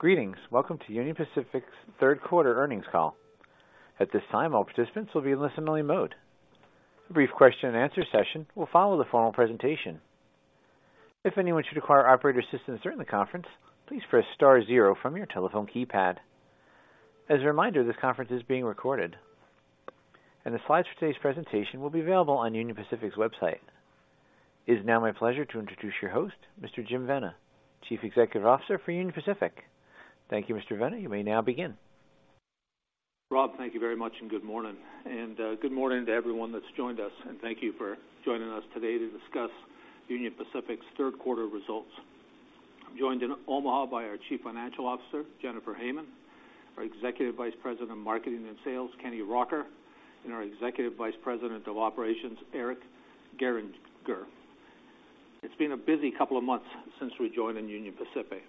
Greetings! Welcome to Union Pacific's Q3 earnings call. At this time, all participants will be in listen-only mode. A brief question-and-answer session will follow the formal presentation. If anyone should require operator assistance during the conference, please press star zero from your telephone keypad. As a reminder, this conference is being recorded, and the slides for today's presentation will be available on Union Pacific's website. It is now my pleasure to introduce your host, Mr. Jim Vena, Chief Executive Officer for Union Pacific. Thank you, Mr. Vena. You may now begin. Rob, thank you very much, and good morning, and good morning to everyone that's joined us, and thank you for joining us today to discuss Union Pacific's Q3 results. I'm joined in Omaha by our Chief Financial Officer, Jennifer Hamann, our Executive Vice President of Marketing and Sales, Kenny Rocker, and our Executive Vice President of Operations, Eric Gehringer. It's been a busy couple of months since we joined in Union Pacific.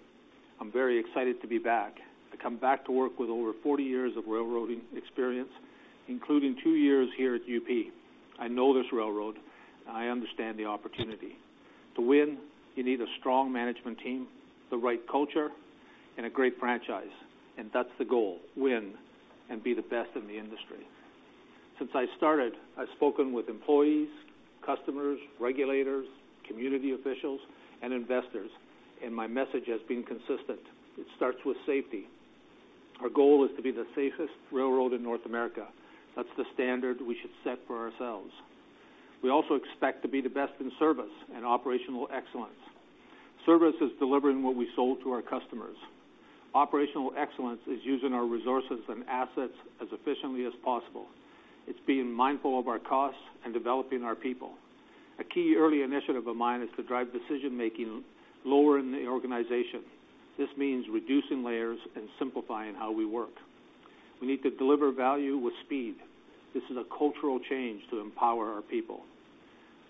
I'm very excited to be back. I come back to work with over forty years of railroading experience, including two years here at UP. I know this railroad. I understand the opportunity. To win, you need a strong management team, the right culture, and a great franchise, and that's the goal, win and be the best in the industry. Since I started, I've spoken with employees, customers, regulators, community officials, and investors, and my message has been consistent. It starts with safety. Our goal is to be the safest railroad in North America. That's the standard we should set for ourselves. We also expect to be the best in service and operational excellence. Service is delivering what we sold to our customers. Operational excellence is using our resources and assets as efficiently as possible. It's being mindful of our costs and developing our people. A key early initiative of mine is to drive decision-making lower in the organization. This means reducing layers and simplifying how we work. We need to deliver value with speed. This is a cultural change to empower our people.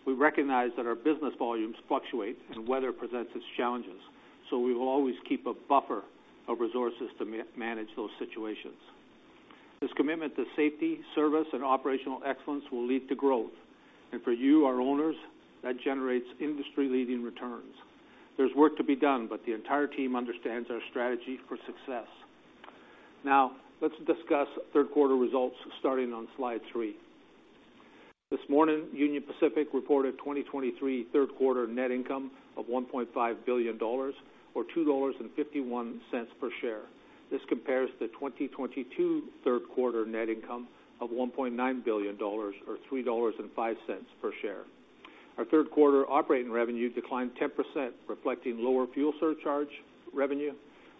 We recognize that our business volumes fluctuate and weather presents its challenges, so we will always keep a buffer of resources to man-manage those situations. This commitment to safety, service, and operational excellence will lead to growth, and for you, our owners, that generates industry-leading returns. There's work to be done, but the entire team understands our strategy for success. Now, let's discuss Q3 results, starting on slide 3. This morning, Union Pacific reported 2023 Q3 net income of $1.5 billion or $2.51 per share. This compares to 2022 Q3 net income of $1.9 billion or $3.05 per share. Our Q3 operating revenue declined 10%, reflecting lower fuel surcharge revenue,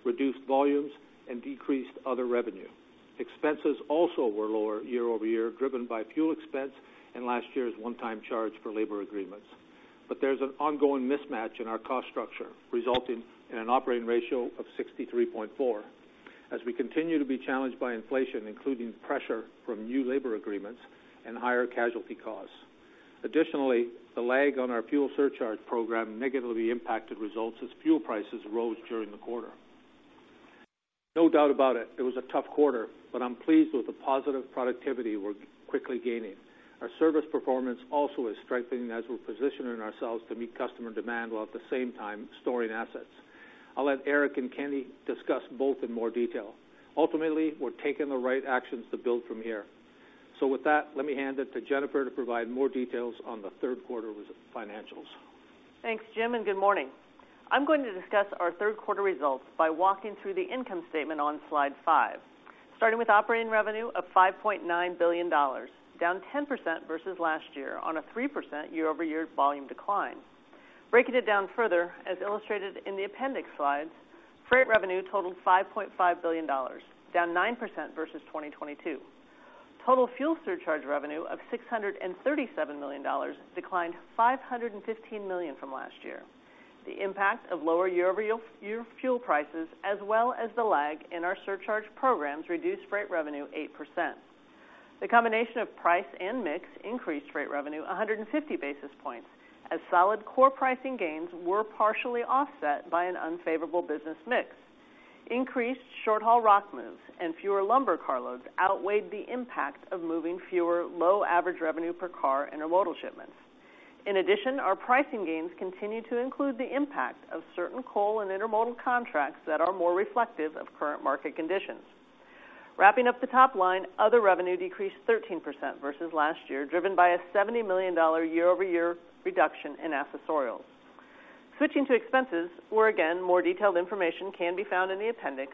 reduced volumes, and decreased other revenue. Expenses also were lower year-over-year, driven by fuel expense and last year's one-time charge for labor agreements. But there's an ongoing mismatch in our cost structure, resulting in an operating ratio of 63.4 as we continue to be challenged by inflation, including pressure from new labor agreements and higher casualty costs. Additionally, the lag on our fuel surcharge program negatively impacted results as fuel prices rose during the quarter. No doubt about it, it was a tough quarter, but I'm pleased with the positive productivity we're quickly gaining. Our service performance also is strengthening as we're positioning ourselves to meet customer demand, while at the same time storing assets. I'll let Eric and Kenny discuss both in more detail. Ultimately, we're taking the right actions to build from here. So with that, let me hand it to Jennifer to provide more details on the Q3 financials. Thanks, Jim, and good morning. I'm going to discuss our Q3 results by walking through the income statement on slide 5, starting with operating revenue of $5.9 billion, down 10% versus last year on a 3% year-over-year volume decline. Breaking it down further, as illustrated in the appendix slides, freight revenue totaled $5.5 billion, down 9% versus 2022. Total fuel surcharge revenue of $637 million declined $515 million from last year. The impact of lower year-over-year fuel prices, as well as the lag in our surcharge programs, reduced freight revenue 8%. The combination of price and mix increased freight revenue 150 basis points, as solid core pricing gains were partially offset by an unfavorable business mix. Increased short-haul rock moves and fewer lumber carloads outweighed the impact of moving fewer low average revenue per car intermodal shipments. In addition, our pricing gains continue to include the impact of certain coal and intermodal contracts that are more reflective of current market conditions. Wrapping up the top line, other revenue decreased 13% versus last year, driven by a $70 million year-over-year reduction in accessorial. Switching to expenses, where, again, more detailed information can be found in the appendix,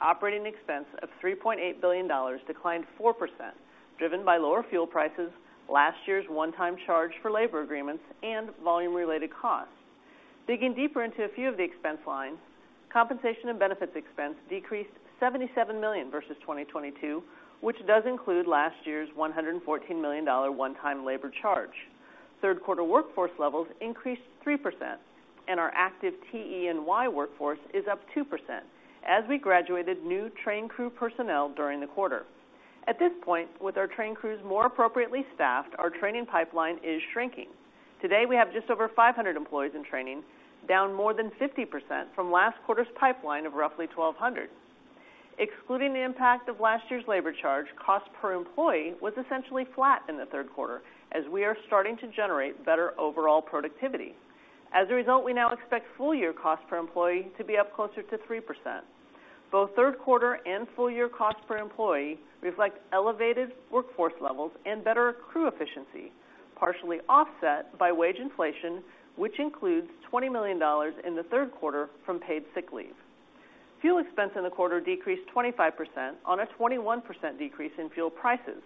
operating expense of $3.8 billion declined 4%, driven by lower fuel prices, last year's one-time charge for labor agreements, and volume-related costs. Digging deeper into a few of the expense lines, compensation and benefits expense decreased $77 million versus 2022, which does include last year's $114 million one-time labor charge. Q3 workforce levels increased 3%, and our active TE&Y workforce is up 2%, as we graduated new train crew personnel during the quarter. At this point, with our train crews more appropriately staffed, our training pipeline is shrinking. Today, we have just over 500 employees in training, down more than 50% from last quarter's pipeline of roughly 1,200. Excluding the impact of last year's labor charge, cost per employee was essentially flat in the Q3, as we are starting to generate better overall productivity. As a result, we now expect full-year cost per employee to be up closer to 3%. Both Q3 and full-year cost per employee reflect elevated workforce levels and better crew efficiency, partially offset by wage inflation, which includes $20 million in the Q3 from paid sick leave. Fuel expense in the quarter decreased 25% on a 21% decrease in fuel prices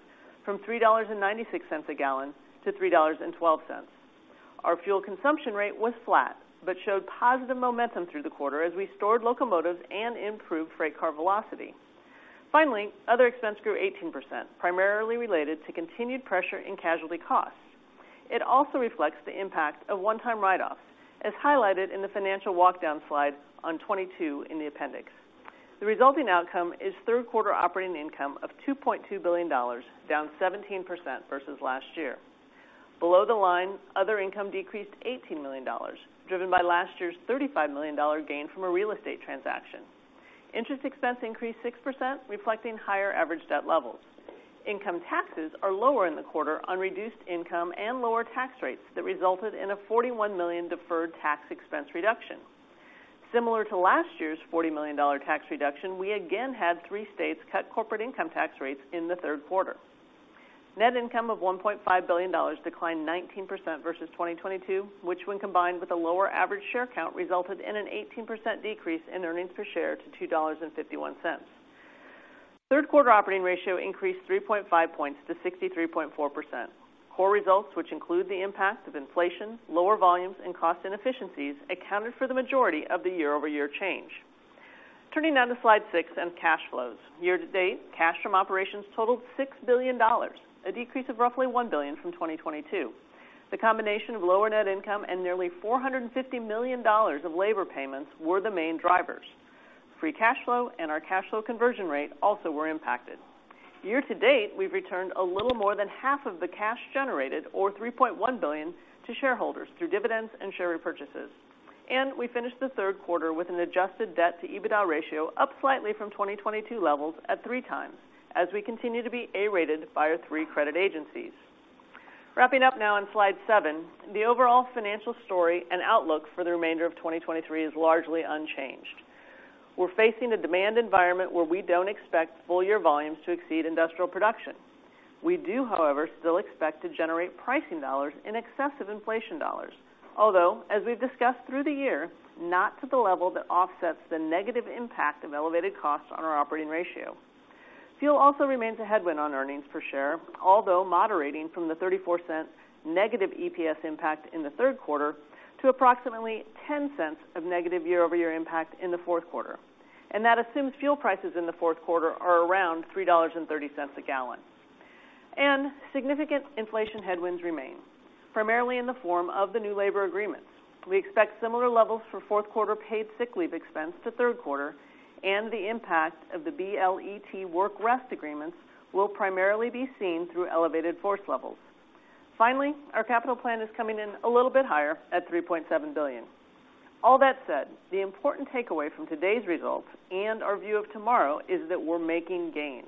from $3.96 a gallon to $3.12. Our fuel consumption rate was flat, but showed positive momentum through the quarter as we stored locomotives and improved freight car velocity. Finally, other expense grew 18%, primarily related to continued pressure in casualty costs. It also reflects the impact of one-time write-offs, as highlighted in the financial walk-down slide on 22 in the appendix. The resulting outcome is Q3 operating income of $2.2 billion, down 17% versus last year. Below the line, other income decreased $18 million, driven by last year's $35 million gain from a real estate transaction. Interest expense increased 6%, reflecting higher average debt levels. Income taxes are lower in the quarter on reduced income and lower tax rates that resulted in a $41 million deferred tax expense reduction. Similar to last year's $40 million tax reduction, we again had three states cut corporate income tax rates in the Q3. Net income of $1.5 billion declined 19% versus 2022, which, when combined with a lower average share count, resulted in an 18% decrease in earnings per share to $2.51. Q3 operating ratio increased 3.5 points to 63.4%. Core results, which include the impact of inflation, lower volumes, and cost inefficiencies, accounted for the majority of the year-over-year change. Turning now to Slide six and cash flows. Year-to-date, cash from operations totaled $6 billion, a decrease of roughly $1 billion from 2022. The combination of lower net income and nearly $450 million of labor payments were the main drivers. Free cash flow and our cash flow conversion rate also were impacted. Year-to-date, we've returned a little more than half of the cash generated, or $3.1 billion, to shareholders through dividends and share repurchases. And we finished the Q3 with an adjusted debt-to-EBITDA ratio up slightly from 2022 levels at 3x, as we continue to be A-rated by our three credit agencies. Wrapping up now on Slide 7, the overall financial story and outlook for the remainder of 2023 is largely unchanged. We're facing a demand environment where we don't expect full-year volumes to exceed industrial production. We do, however, still expect to generate pricing dollars in excess of inflation dollars, although, as we've discussed through the year, not to the level that offsets the negative impact of elevated costs on our operating ratio. Fuel also remains a headwind on earnings per share, although moderating from the $0.34 negative EPS impact in the Q3 to approximately $0.10 of negative year-over-year impact in the Q4, and that assumes fuel prices in the Q4 are around $3.30 a gallon. Significant inflation headwinds remain, primarily in the form of the new labor agreements. We expect similar levels for Q4 paid sick leave expense to Q3, and the impact of the BLET work rest agreements will primarily be seen through elevated force levels. Finally, our capital plan is coming in a little bit higher at $3.7 billion. All that said, the important takeaway from today's results and our view of tomorrow is that we're making gains.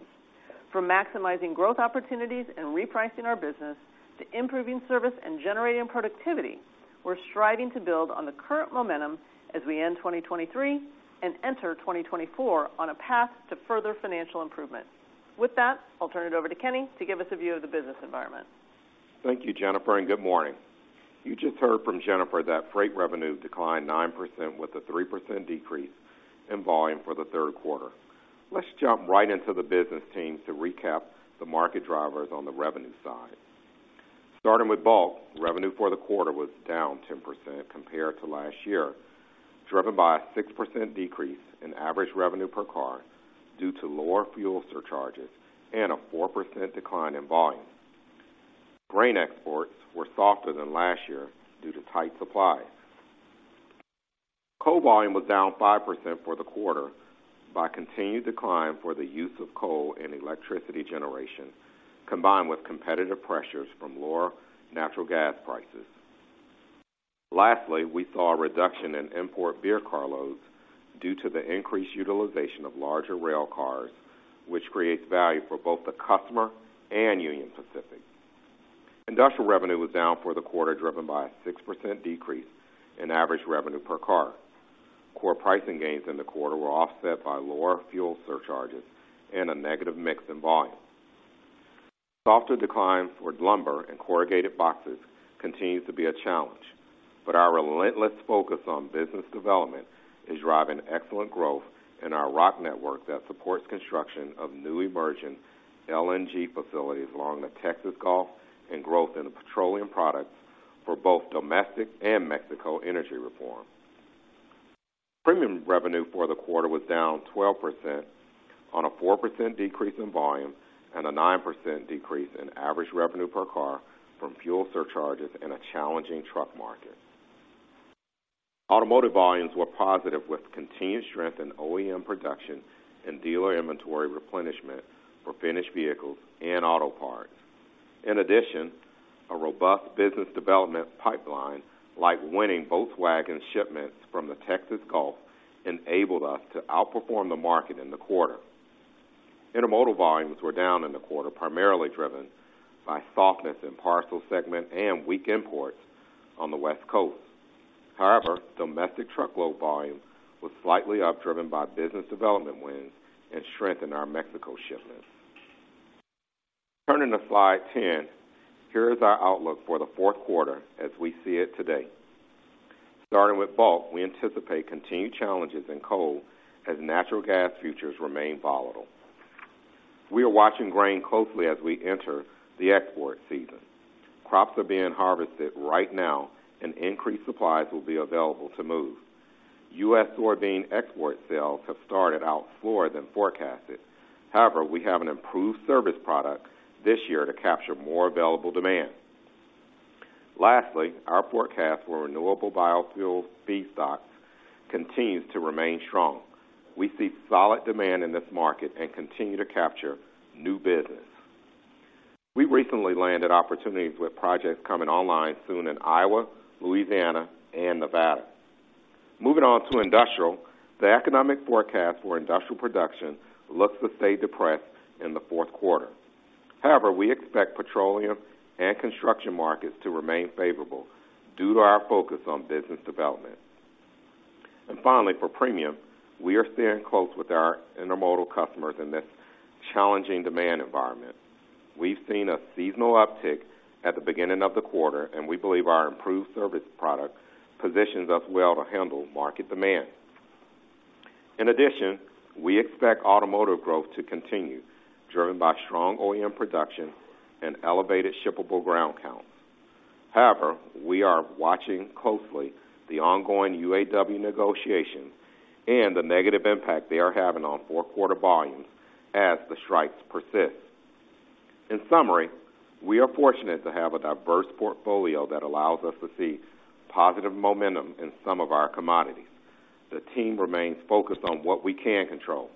From maximizing growth opportunities and repricing our business to improving service and generating productivity, we're striving to build on the current momentum as we end 2023 and enter 2024 on a path to further financial improvement. With that, I'll turn it over to Kenny to give us a view of the business environment. Thank you, Jennifer, and good morning. You just heard from Jennifer that freight revenue declined 9% with a 3% decrease in volume for the Q3. Let's jump right into the business teams to recap the market drivers on the revenue side. Starting with bulk, revenue for the quarter was down 10% compared to last year, driven by a 6% decrease in average revenue per car due to lower fuel surcharges and a 4% decline in volume. Grain exports were softer than last year due to tight supply. Coal volume was down 5% for the quarter by continued decline for the use of coal in electricity generation, combined with competitive pressures from lower natural gas prices. Lastly, we saw a reduction in import beer carloads due to the increased utilization of larger rail cars, which creates value for both the customer and Union Pacific. Industrial revenue was down for the quarter, driven by a 6% decrease in average revenue per car. Core pricing gains in the quarter were offset by lower fuel surcharges and a negative mix in volume. Softer decline for lumber and corrugated boxes continues to be a challenge, but our relentless focus on business development is driving excellent growth in our rock network that supports construction of new emerging LNG facilities along the Texas Gulf and growth in the petroleum products for both domestic and Mexico energy reform. Premium revenue for the quarter was down 12% on a 4% decrease in volume and a 9% decrease in average revenue per car from fuel surcharges and a challenging truck market. Automotive volumes were positive, with continued strength in OEM production and dealer inventory replenishment for finished vehicles and auto parts. In addition, a robust business development pipeline, like winning Volkswagen shipments from the Texas Gulf, enabled us to outperform the market in the quarter. Intermodal volumes were down in the quarter, primarily driven by softness in parcel segment and weak imports on the West Coast. However, domestic truckload volume was slightly up, driven by business development wins and strength in our Mexico shipments. Turning to Slide 10, here is our outlook for the Q4 as we see it today. Starting with bulk, we anticipate continued challenges in coal as natural gas futures remain volatile. We are watching grain closely as we enter the export season. Crops are being harvested right now, and increased supplies will be available to move. U.S. soybean export sales have started out slower than forecasted. However, we have an improved service product this year to capture more available demand. Lastly, our forecast for renewable biofuels feedstocks continues to remain strong. We see solid demand in this market and continue to capture new business. We recently landed opportunities with projects coming online soon in Iowa, Louisiana, and Nevada. Moving on to industrial, the economic forecast for industrial production looks to stay depressed in the Q4. However, we expect petroleum and construction markets to remain favorable due to our focus on business development. Finally, for premium, we are staying close with our intermodal customers in this challenging demand environment. We've seen a seasonal uptick at the beginning of the quarter, and we believe our improved service product positions us well to handle market demand. In addition, we expect automotive growth to continue, driven by strong OEM production and elevated shippable ground count. However, we are watching closely the ongoing UAW negotiations and the negative impact they are having on Q4 volumes as the strikes persist. In summary, we are fortunate to have a diverse portfolio that allows us to see positive momentum in some of our commodities. The team remains focused on what we can control,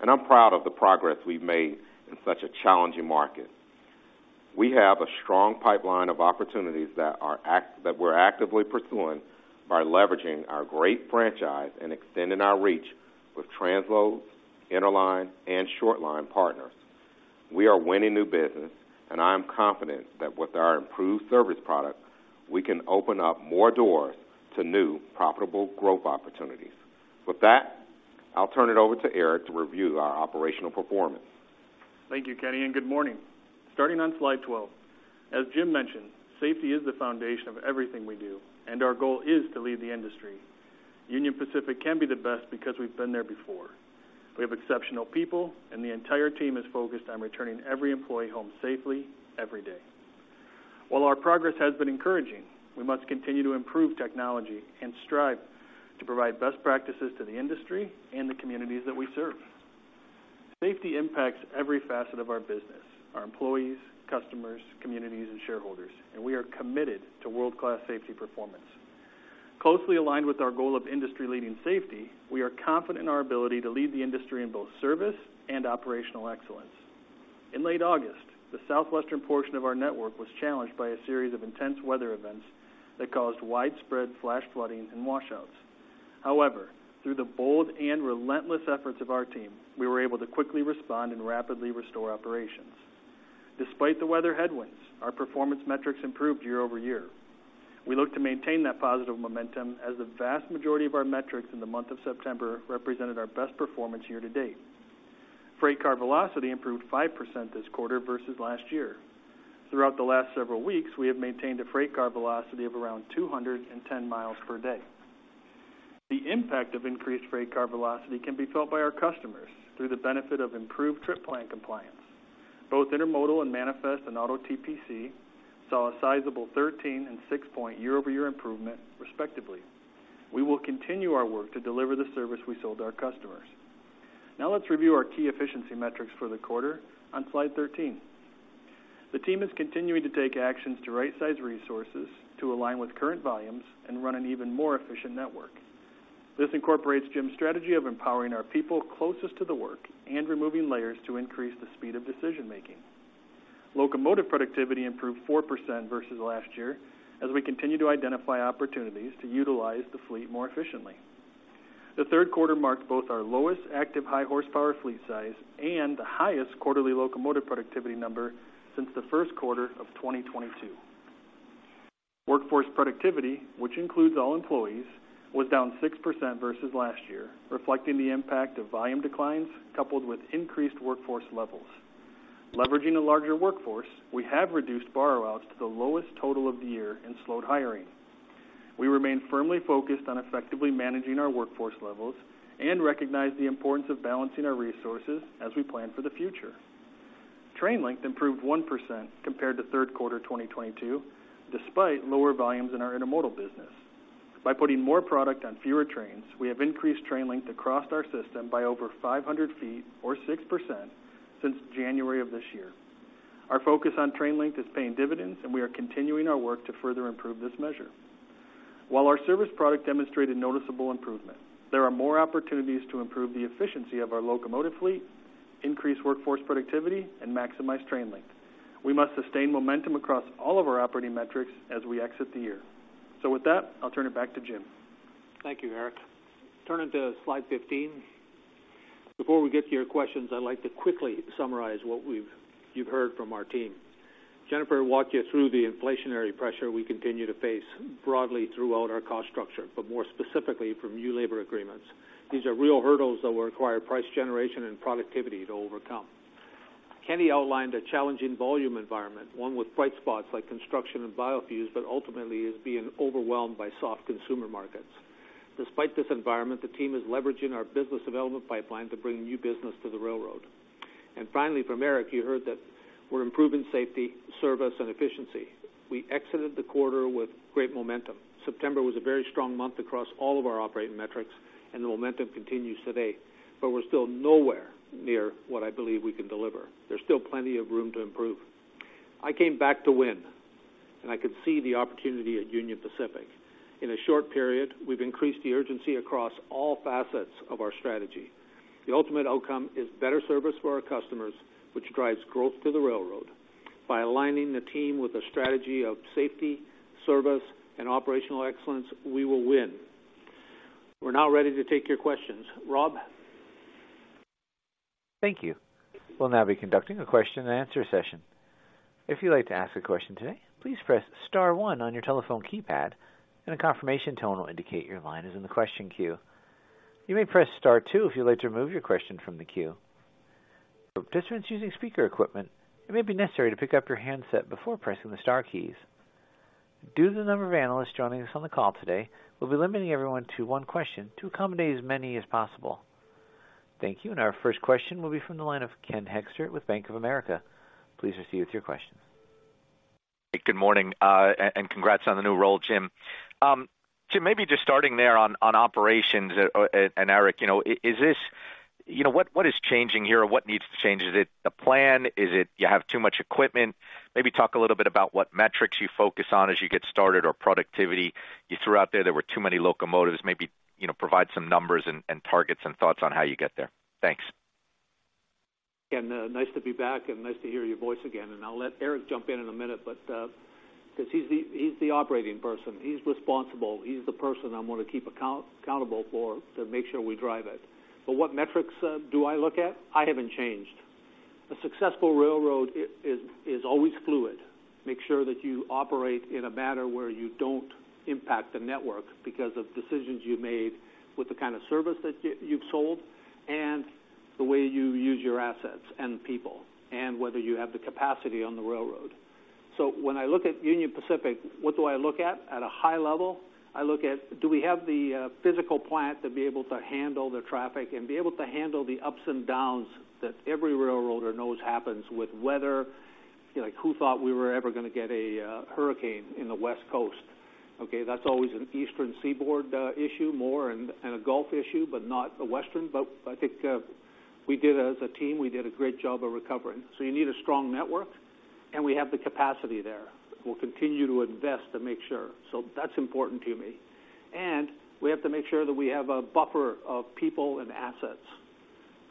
and I'm proud of the progress we've made in such a challenging market. We have a strong pipeline of opportunities that we're actively pursuing by leveraging our great franchise and extending our reach with transload, interline, and short line partners. We are winning new business, and I am confident that with our improved service product, we can open up more doors to new, profitable growth opportunities. With that, I'll turn it over to Eric to review our operational performance. Thank you, Kenny, and good morning. Starting on slide 12, as Jim mentioned, safety is the foundation of everything we do, and our goal is to lead the industry. Union Pacific can be the best because we've been there before. We have exceptional people, and the entire team is focused on returning every employee home safely every day. While our progress has been encouraging, we must continue to improve technology and strive to provide best practices to the industry and the communities that we serve. Safety impacts every facet of our business, our employees, customers, communities, and shareholders, and we are committed to world-class safety performance. Closely aligned with our goal of industry-leading safety, we are confident in our ability to lead the industry in both service and operational excellence. In late August, the southwestern portion of our network was challenged by a series of intense weather events that caused widespread flash flooding and washouts. However, through the bold and relentless efforts of our team, we were able to quickly respond and rapidly restore operations. Despite the weather headwinds, our performance metrics improved year-over-year. We look to maintain that positive momentum as the vast majority of our metrics in the month of September represented our best performance year to date. Freight Car Velocity improved 5% this quarter versus last year. Throughout the last several weeks, we have maintained a Freight Car Velocity of around 210 miles per day. The impact of increased Freight Car Velocity can be felt by our customers through the benefit of improved Trip Plan Compliance. Both intermodal and manifest and auto TPC saw a sizable 13 and 6-point year-over-year improvement, respectively. We will continue our work to deliver the service we sold to our customers. Now let's review our key efficiency metrics for the quarter on slide 13. The team is continuing to take actions to rightsize resources to align with current volumes and run an even more efficient network. This incorporates Jim's strategy of empowering our people closest to the work and removing layers to increase the speed of decision-making. Locomotive productivity improved 4% versus last year as we continue to identify opportunities to utilize the fleet more efficiently. The Q3 marked both our lowest active high horsepower fleet size and the highest quarterly locomotive productivity number since the Q1 of 2022. Workforce productivity, which includes all employees, was down 6% versus last year, reflecting the impact of volume declines coupled with increased workforce levels. Leveraging a larger workforce, we have reduced borrow outs to the lowest total of the year and slowed hiring. We remain firmly focused on effectively managing our workforce levels and recognize the importance of balancing our resources as we plan for the future. Train length improved 1% compared to Q3 2022, despite lower volumes in our intermodal business. By putting more product on fewer trains, we have increased train length across our system by over 500 feet or 6% since January of this year. Our focus on train length is paying dividends, and we are continuing our work to further improve this measure. While our service product demonstrated noticeable improvement, there are more opportunities to improve the efficiency of our locomotive fleet, increase workforce productivity, and maximize train length. We must sustain momentum across all of our operating metrics as we exit the year. With that, I'll turn it back to Jim. Thank you, Eric. Turning to slide 15. Before we get to your questions, I'd like to quickly summarize what you've heard from our team. Jennifer walked you through the inflationary pressure we continue to face broadly throughout our cost structure, but more specifically from new labor agreements. These are real hurdles that will require price generation and productivity to overcome. Kenny outlined a challenging volume environment, one with bright spots like construction and biofuels, but ultimately is being overwhelmed by soft consumer markets. Despite this environment, the team is leveraging our business development pipeline to bring new business to the railroad. And finally, from Eric, you heard that we're improving safety, service, and efficiency. We exited the quarter with great momentum. September was a very strong month across all of our operating metrics, and the momentum continues today, but we're still nowhere near what I believe we can deliver. There's still plenty of room to improve. I came back to win, and I can see the opportunity at Union Pacific. In a short period, we've increased the urgency across all facets of our strategy. The ultimate outcome is better service for our customers, which drives growth to the railroad. By aligning the team with a strategy of safety, service, and operational excellence, we will win. We're now ready to take your questions. Rob? Thank you. We'll now be conducting a question-and-answer session. If you'd like to ask a question today, please press star one on your telephone keypad, and a confirmation tone will indicate your line is in the question queue. You may press star two if you'd like to remove your question from the queue. For participants using speaker equipment, it may be necessary to pick up your handset before pressing the star keys. Due to the number of analysts joining us on the call today, we'll be limiting everyone to one question to accommodate as many as possible. Thank you, and our first question will be from the line of Ken Hoexter with Bank of America. Please proceed with your question. Good morning, congrats on the new role, Jim. Jim, maybe just starting there on operations, and Eric, you know, is this—you know, what is changing here, or what needs to change? Is it the plan? Is it you have too much equipment? Maybe talk a little bit about what metrics you focus on as you get started or productivity. You threw out there were too many locomotives. Maybe, you know, provide some numbers and targets and thoughts on how you get there. Thanks. Ken, nice to be back, and nice to hear your voice again. I'll let Eric jump in in a minute, but because he's the operating person, he's responsible, he's the person I'm going to keep accountable for to make sure we drive it. But what metrics do I look at? I haven't changed. A successful railroad is always fluid. Make sure that you operate in a manner where you don't impact the network because of decisions you made with the kind of service that you've sold and the way you use your assets and people, and whether you have the capacity on the railroad. So when I look at Union Pacific, what do I look at? At a high level, I look at, do we have the physical plant to be able to handle the traffic and be able to handle the ups and downs that every railroader knows happens with weather? Like, who thought we were ever going to get a hurricane in the West Coast? Okay, that's always an Eastern Seaboard issue more and, and a Gulf issue, but not a western. But I think, we did, as a team, we did a great job of recovering. So you need a strong network, and we have the capacity there. We'll continue to invest to make sure. So that's important to me. And we have to make sure that we have a buffer of people and assets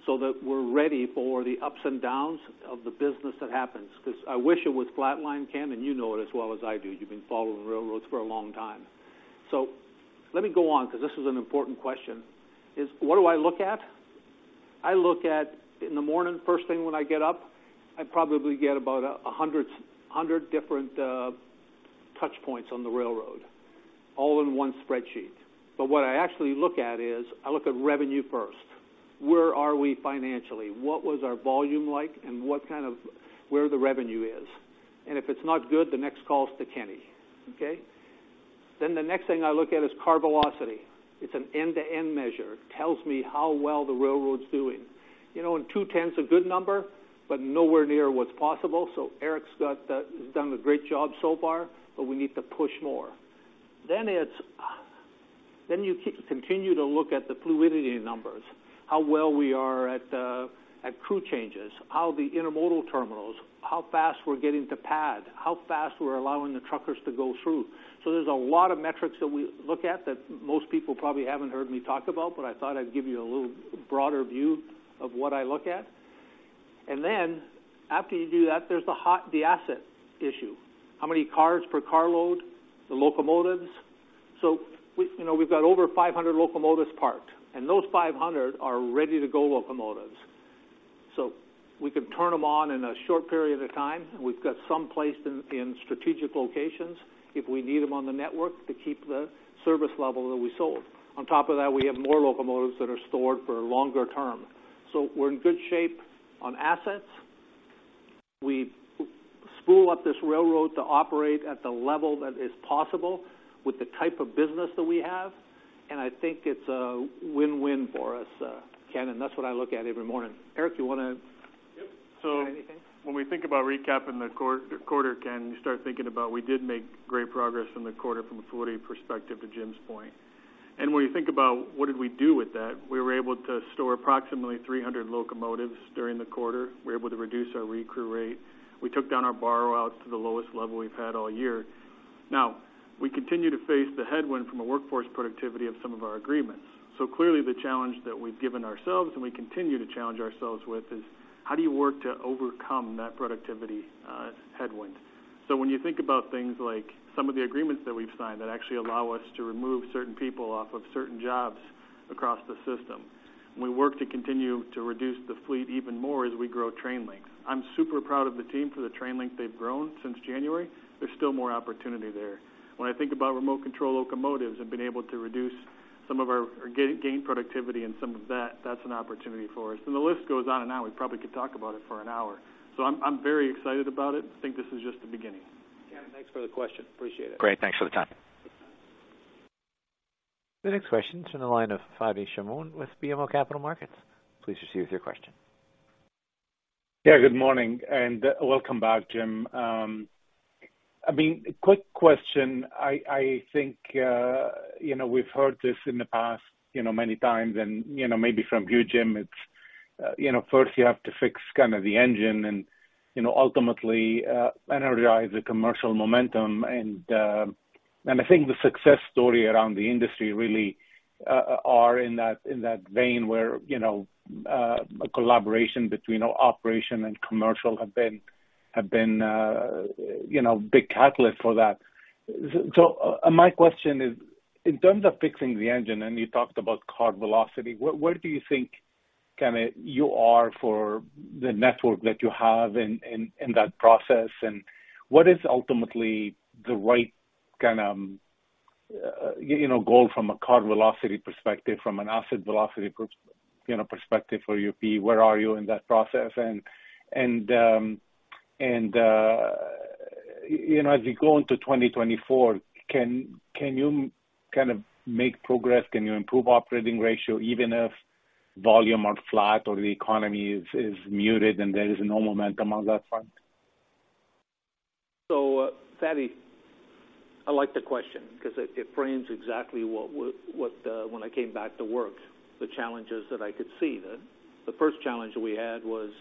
so that we're ready for the ups and downs of the business that happens. Because I wish it was flatline, Ken, and you know it as well as I do. You've been following railroads for a long time. So let me go on, because this is an important question, is what do I look at? I look at, in the morning, first thing when I get up, I probably get about 100, 100 different touch points on the railroad, all in one spreadsheet. But what I actually look at is I look at revenue first. Where are we financially? What was our volume like, and what kind of where the revenue is? And if it's not good, the next call is to Kenny, okay? Then the next thing I look at is car velocity. It's an end-to-end measure, tells me how well the railroad's doing. You know, and 0.2 a good number, but nowhere near what's possible. So Eric's has done a great job so far, but we need to push more. Then it's, then you keep continue to look at the fluidity numbers, how well we are at, at crew changes, how the intermodal terminals, how fast we're getting to pad, how fast we're allowing the truckers to go through. So there's a lot of metrics that we look at that most people probably haven't heard me talk about, but I thought I'd give you a little broader view of what I look at. And then after you do that, there's the asset issue. How many cars per carload, the locomotives? So we, you know, we've got over 500 locomotives parked, and those 500 are ready-to-go locomotives. So we can turn them on in a short period of time, and we've got some placed in strategic locations if we need them on the network to keep the service level that we sold. On top of that, we have more locomotives that are stored for longer term. So we're in good shape on assets. We spool up this railroad to operate at the level that is possible with the type of business that we have, and I think it's a win-win for us, Ken, and that's what I look at every morning. Eric, you want to— Yep. So when we think about recapping the quarter, Ken, you start thinking about we did make great progress in the quarter from a fluidity perspective, to Jim's point. When you think about what did we do with that, we were able to store approximately 300 locomotives during the quarter. We were able to reduce our recrew rate. We took down our borrowouts to the lowest level we've had all year. Now, we continue to face the headwind from a workforce productivity of some of our agreements. So clearly, the challenge that we've given ourselves and we continue to challenge ourselves with is how do you work to overcome that productivity headwind? So when you think about things like some of the agreements that we've signed that actually allow us to remove certain people off of certain jobs across the system, we work to continue to reduce the fleet even more as we grow train length. I'm super proud of the team for the train length they've grown since January. There's still more opportunity there. When I think about remote control locomotives and been able to reduce some of our gain productivity in some of that, that's an opportunity for us. The list goes on and on. We probably could talk about it for an hour, so I'm very excited about it. I think this is just the beginning. Ken, thanks for the question. Appreciate it. Great, thanks for the time. The next question is in the line of Fadi Chamoun with BMO Capital Markets. Please proceed with your question. Yeah, good morning, and welcome back, Jim. I mean, quick question. I think you know we've heard this in the past you know many times, and you know maybe from you, Jim, it's you know first you have to fix kind of the engine and you know ultimately energize the commercial momentum. And I think the success story around the industry really are in that vein where you know a collaboration between operation and commercial have been a big catalyst for that. So my question is, in terms of fixing the engine, and you talked about car velocity, where do you think you are for the network that you have in that process? What is ultimately the right kind of, you know, goal from a car velocity perspective, from an asset velocity perspective for UP, where are you in that process? And, you know, as we go into 2024, can you kind of make progress? Can you improve operating ratio, even if volume are flat or the economy is muted and there is no momentum on that front? So, Fadi. I like the question because it frames exactly what, when I came back to work, the challenges that I could see. The first challenge that we had was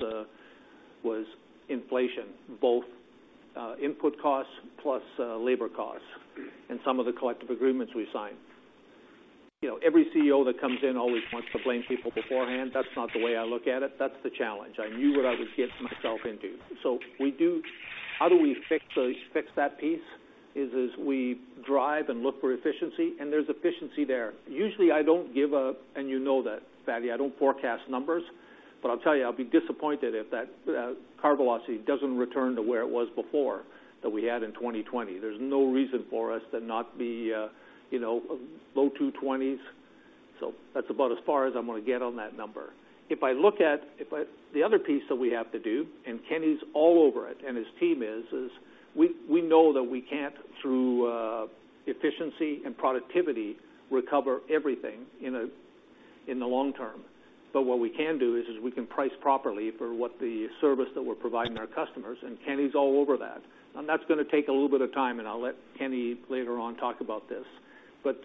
inflation, both input costs plus labor costs, and some of the collective agreements we signed. You know, every CEO that comes in always wants to blame people beforehand. That's not the way I look at it. That's the challenge. I knew what I was getting myself into. So how do we fix that piece? Is we drive and look for efficiency, and there's efficiency there. Usually, I don't give a— and you know that, Fadi, I don't forecast numbers, but I'll tell you, I'll be disappointed if that car velocity doesn't return to where it was before, that we had in 2020. There's no reason for us to not be, you know, low 20s. So that's about as far as I'm gonna get on that number. If I look at the other piece that we have to do, and Kenny's all over it, and his team is, we know that we can't, through efficiency and productivity, recover everything in the long term. But what we can do is we can price properly for what the service that we're providing our customers, and Kenny's all over that. And that's gonna take a little bit of time, and I'll let Kenny later on talk about this. But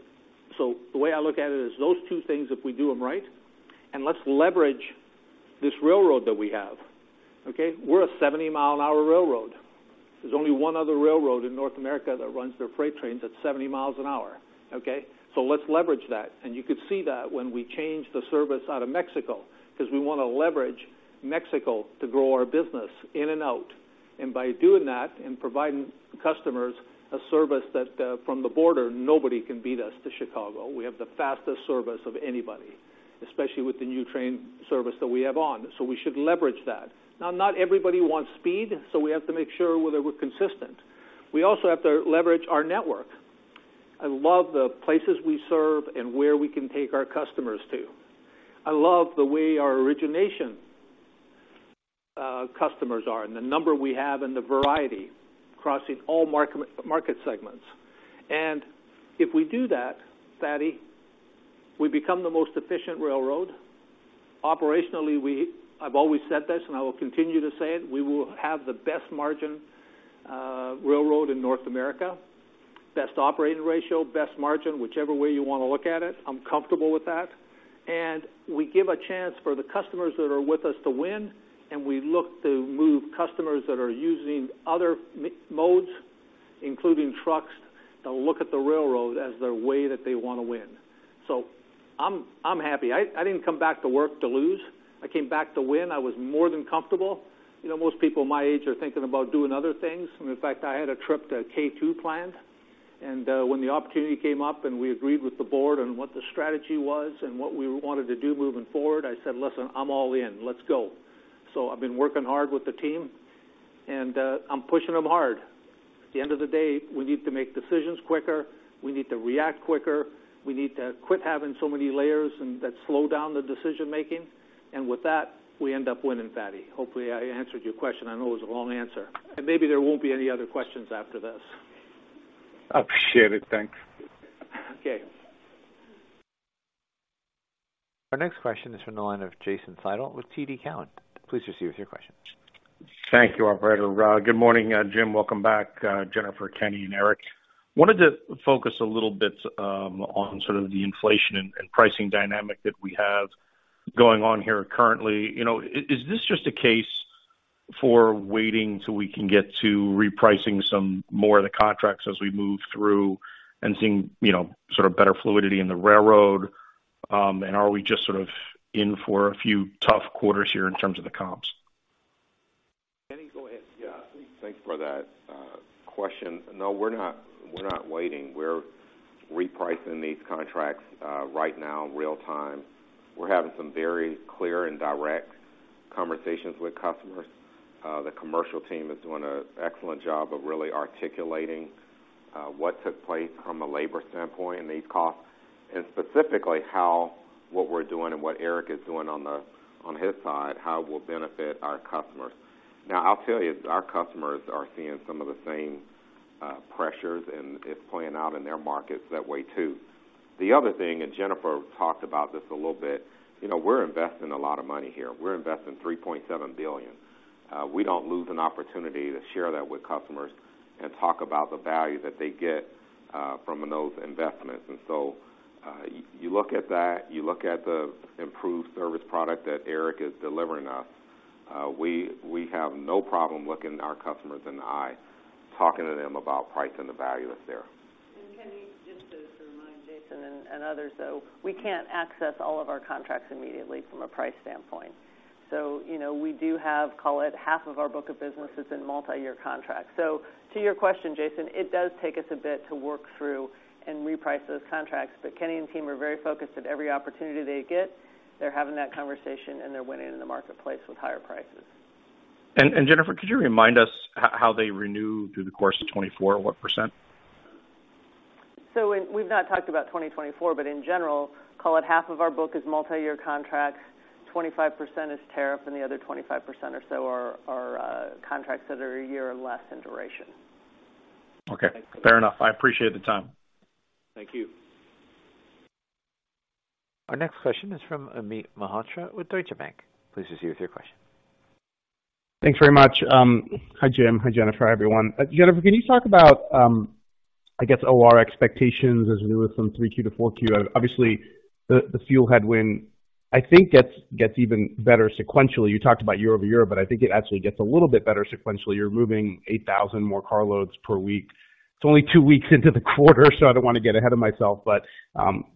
so the way I look at it is those two things, if we do them right, and let's leverage this railroad that we have, okay? We're a 70-mile-an-hour railroad. There's only one other railroad in North America that runs their freight trains at 70 miles an hour, okay? So let's leverage that. And you could see that when we changed the service out of Mexico, because we want to leverage Mexico to grow our business in and out. And by doing that and providing customers a service that, from the border, nobody can beat us to Chicago. We have the fastest service of anybody, especially with the new train service that we have on. So we should leverage that. Now, not everybody wants speed, so we have to make sure whether we're consistent. We also have to leverage our network. I love the places we serve and where we can take our customers to. I love the way our origination customers are and the number we have and the variety crossing all market segments. And if we do that, Fadi, we become the most efficient railroad. Operationally, we. I've always said this, and I will continue to say it, we will have the best margin railroad in North America. Best operating ratio, best margin, whichever way you want to look at it, I'm comfortable with that. And we give a chance for the customers that are with us to win, and we look to move customers that are using other modes, including trucks, to look at the railroad as the way that they want to win. So I'm happy. I didn't come back to work to lose. I came back to win. I was more than comfortable. You know, most people my age are thinking about doing other things. In fact, I had a trip to K2 planned, and when the opportunity came up and we agreed with the board on what the strategy was and what we wanted to do moving forward, I said: "Listen, I'm all in. Let's go." So I've been working hard with the team, and I'm pushing them hard. At the end of the day, we need to make decisions quicker, we need to react quicker, we need to quit having so many layers and that slow down the decision-making, and with that, we end up winning, Fadi. Hopefully, I answered your question. I know it was a long answer, and maybe there won't be any other questions after this. I appreciate it. Thanks. Okay. Our next question is from the line of Jason Seidl with TD Cowen. Please proceed with your question. Thank you, operator. Good morning, Jim. Welcome back, Jennifer, Kenny, and Eric. Wanted to focus a little bit on sort of the inflation and pricing dynamic that we have going on here currently. You know, is this just a case for waiting till we can get to repricing some more of the contracts as we move through and seeing, you know, sort of better fluidity in the railroad? And are we just sort of in for a few tough quarters here in terms of the comps? Kenny, go ahead. Yeah, thanks for that, question. No, we're not, we're not waiting. We're repricing these contracts, right now, real time. We're having some very clear and direct conversations with customers. The commercial team is doing an excellent job of really articulating, what took place from a labor standpoint and these costs, and specifically how what we're doing and what Eric is doing on his side, how it will benefit our customers. Now, I'll tell you, our customers are seeing some of the same, pressures, and it's playing out in their markets that way, too. The other thing, and Jennifer talked about this a little bit, you know, we're investing a lot of money here. We're investing $3.7 billion. We don't lose an opportunity to share that with customers and talk about the value that they get from those investments. And so, you look at that, you look at the improved service product that Eric is delivering us, we have no problem looking our customers in the eye, talking to them about price and the value that's there. Kenny, just to remind Jason and, and others, though, we can't access all of our contracts immediately from a price standpoint. So, you know, we do have, call it, half of our book of business is in multiyear contracts. So to your question, Jason, it does take us a bit to work through and reprice those contracts, but Kenny and team are very focused at every opportunity they get. They're having that conversation, and they're winning in the marketplace with higher prices. Jennifer, could you remind us how they renew through the course of 2024, what %? We've not talked about 2024, but in general, call it half of our book is multiyear contracts, 25% is tariff, and the other 25% or so are contracts that are a year or less in duration. Okay. Fair enough. I appreciate the time. Thank you. Our next question is from Amit Mehrotra with Deutsche Bank. Please proceed with your question. Thanks very much. Hi, Jim. Hi, Jennifer, everyone. Jennifer, can you talk about, I guess, OR expectations as we move from 3Q to 4Q? Obviously, the fuel headwind, I think, gets even better sequentially. You talked about year-over-year, but I think it actually gets a little bit better sequentially. You're moving 8,000 more car loads per week. It's only two weeks into the quarter, so I don't want to get ahead of myself, but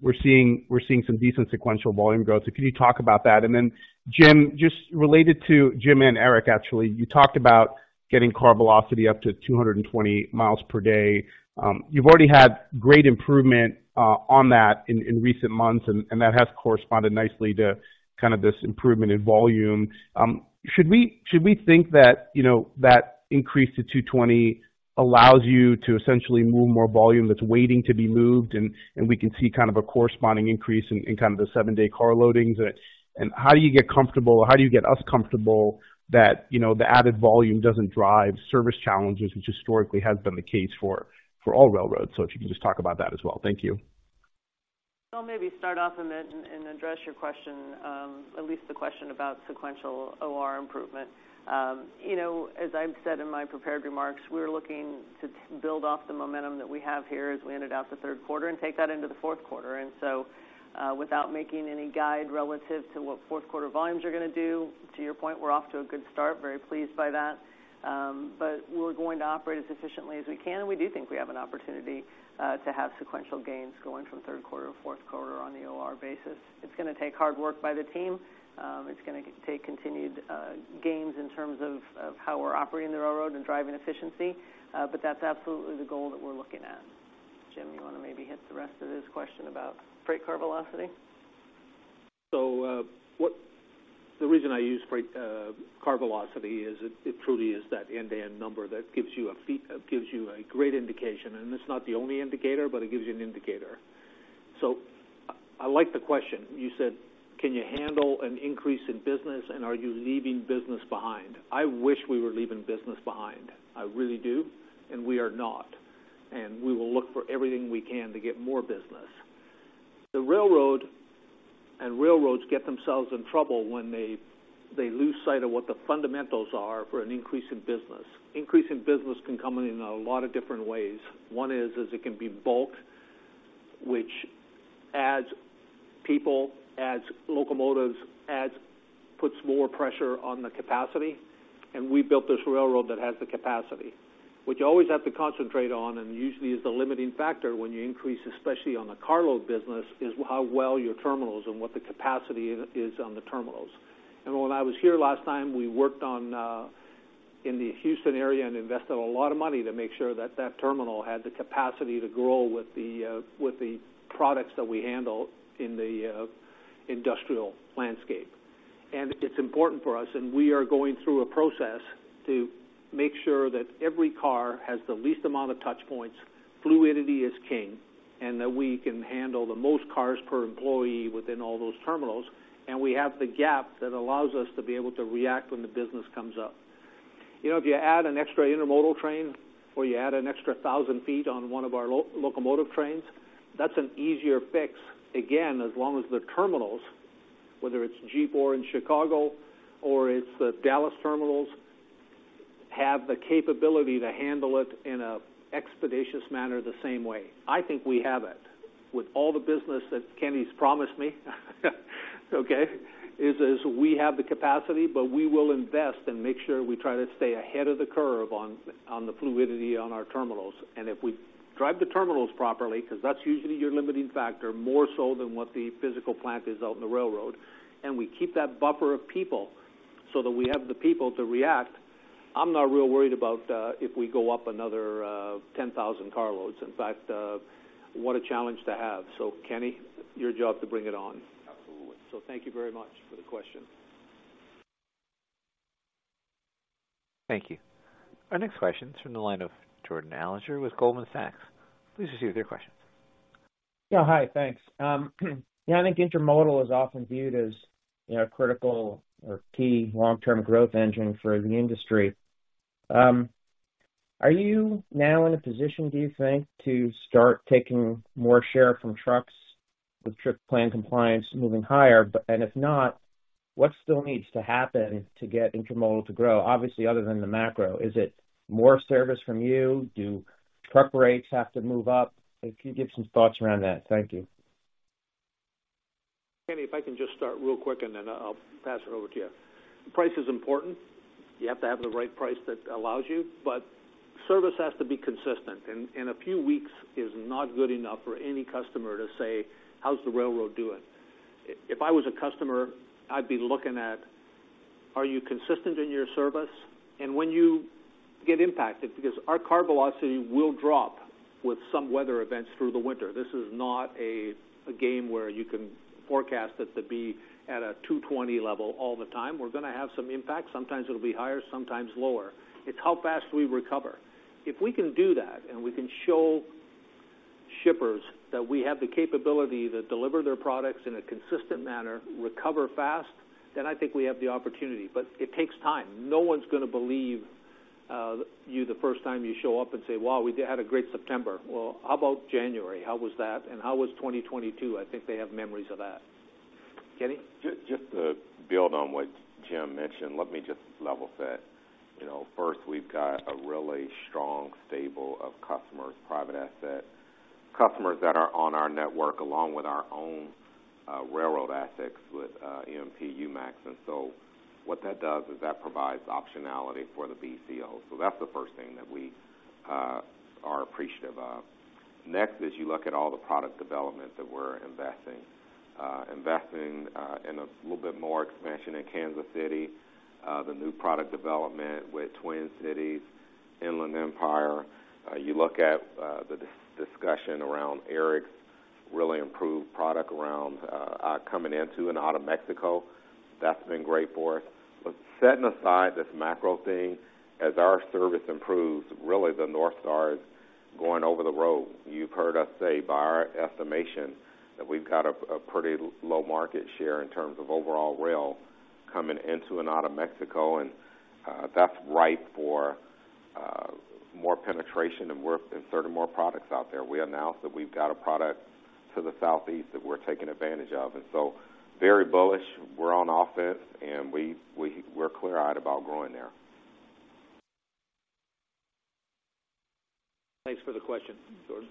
we're seeing some decent sequential volume growth. So can you talk about that? And then, Jim, just related to Jim and Eric, actually, you talked about getting car velocity up to 220 miles per day. You've already had great improvement on that in recent months, and that has corresponded nicely to kind of this improvement in volume. Should we think that, you know, that increase to 220 allows you to essentially move more volume that's waiting to be moved, and we can see kind of a corresponding increase in kind of the 7-day car loadings? And how do you get comfortable- or how do you get us comfortable that, you know, the added volume doesn't drive service challenges, which historically has been the case for all railroads? So if you can just talk about that as well. Thank you. I'll maybe start off and then address your question, at least the question about sequential OR improvement. You know, as I've said in my prepared remarks, we're looking to build off the momentum that we have here as we ended out the Q3 and take that into the Q4. And so, without making any guide relative to what Q4 volumes are gonna do, to your point, we're off to a good start, very pleased by that. But we're going to operate as efficiently as we can, and we do think we have an opportunity to have sequential gains going from Q3 to Q4 on the OR basis. It's gonna take hard work by the team. It's gonna take continued gains in terms of how we're operating the railroad and driving efficiency, but that's absolutely the goal that we're looking at. Jim, you want to maybe hit the rest of this question about Freight Car Velocity? So, the reason I use freight car velocity is it truly is that end-to-end number that gives you a great indication, and it's not the only indicator, but it gives you an indicator. So I like the question. You said, "Can you handle an increase in business, and are you leaving business behind?" I wish we were leaving business behind. I really do, and we are not, and we will look for everything we can to get more business. The railroad and railroads get themselves in trouble when they lose sight of what the fundamentals are for an increase in business. Increase in business can come in a lot of different ways. One is it can be bulk, which adds people, adds locomotives, puts more pressure on the capacity, and we built this railroad that has the capacity. What you always have to concentrate on, and usually is the limiting factor when you increase, especially on the carload business, is how well your terminals and what the capacity is on the terminals. When I was here last time, we worked on in the Houston area and invested a lot of money to make sure that that terminal had the capacity to grow with the with the products that we handle in the industrial landscape. It's important for us, and we are going through a process to make sure that every car has the least amount of touch points, fluidity is king, and that we can handle the most cars per employee within all those terminals, and we have the gap that allows us to be able to react when the business comes up. You know, if you add an extra intermodal train or you add an extra 1,000 feet on one of our locomotive trains, that's an easier fix, again, as long as the terminals, whether it's G4 in Chicago or it's the Dallas terminals, have the capability to handle it in an expeditious manner the same way. I think we have it with all the business that Kenny's promised me, okay, we have the capacity, but we will invest and make sure we try to stay ahead of the curve on the fluidity on our terminals. If we drive the terminals properly, because that's usually your limiting factor, more so than what the physical plant is out in the railroad, and we keep that buffer of people so that we have the people to react, I'm not real worried about if we go up another 10,000 carloads. In fact, what a challenge to have. So, Kenny, your job to bring it on. Absolutely. Thank you very much for the question. Thank you. Our next question is from the line of Jordan Alliger with Goldman Sachs. Please proceed with your question. Yeah, hi, thanks. Yeah, I think intermodal is often viewed as, you know, a critical or key long-term growth engine for the industry. Are you now in a position, do you think, to start taking more share from trucks with Trip Plan Compliance moving higher? But if not, what still needs to happen to get intermodal to grow, obviously, other than the macro? Is it more service from you? Do truck rates have to move up? If you could give some thoughts around that. Thank you. Kenny, if I can just start real quick, and then I'll pass it over to you. Price is important. You have to have the right price that allows you, but service has to be consistent, and a few weeks is not good enough for any customer to say, "How's the railroad doing?" If I was a customer, I'd be looking at, are you consistent in your service? And when you get impacted, because our car velocity will drop with some weather events through the winter. This is not a game where you can forecast it to be at a 220 level all the time. We're going to have some impact. Sometimes it'll be higher, sometimes lower. It's how fast we recover. If we can do that, and we can show shippers that we have the capability to deliver their products in a consistent manner, recover fast, then I think we have the opportunity, but it takes time. No one's going to believe you the first time you show up and say, "Wow, we had a great September." Well, how about January? How was that? And how was 2022? I think they have memories of that. Kenny? Just, just to build on what Jim mentioned, let me just level set. You know, first, we've got a really strong stable of customers, private asset customers that are on our network, along with our own railroad assets with EMP, UMAX. And so what that does is that provides optionality for the BCO. So that's the first thing that we are appreciative of. Next, you look at all the product development that we're investing in a little bit more expansion in Kansas City, the new product development with Twin Cities, Inland Empire. You look at the discussion around Eric's really improved product around coming into and out of Mexico. That's been great for us. But setting aside this macro thing, as our service improves, really, the North Star is going over the road. You've heard us say, by our estimation, that we've got a pretty low market share in terms of overall rail coming into and out of Mexico, and that's ripe for more penetration and we're inserting more products out there. We announced that we've got a product to the Southeast that we're taking advantage of, and so very bullish. We're on offense, and we're clear-eyed about growing there. Thanks for the question, Jordan.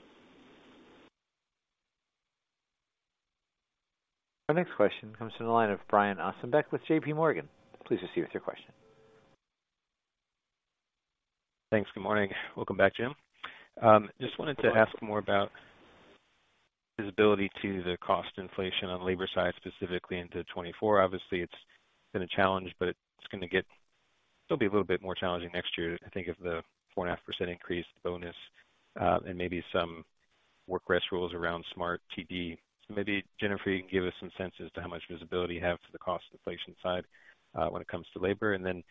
Our next question comes from the line of Brian Ossenbeck with JPMorgan. Please proceed with your question. Thanks. Good morning. Welcome back, Jim. Just wanted to ask more about visibility to the cost inflation on labor side, specifically into 2024. Obviously, it's been a challenge, but it's going to still be a little bit more challenging next year, I think, if the 4.5% increase bonus, and maybe some work rest rules around SMART-TD. So maybe, Jennifer, you can give us some sense as to how much visibility you have to the cost inflation side, when it comes to labor. And then,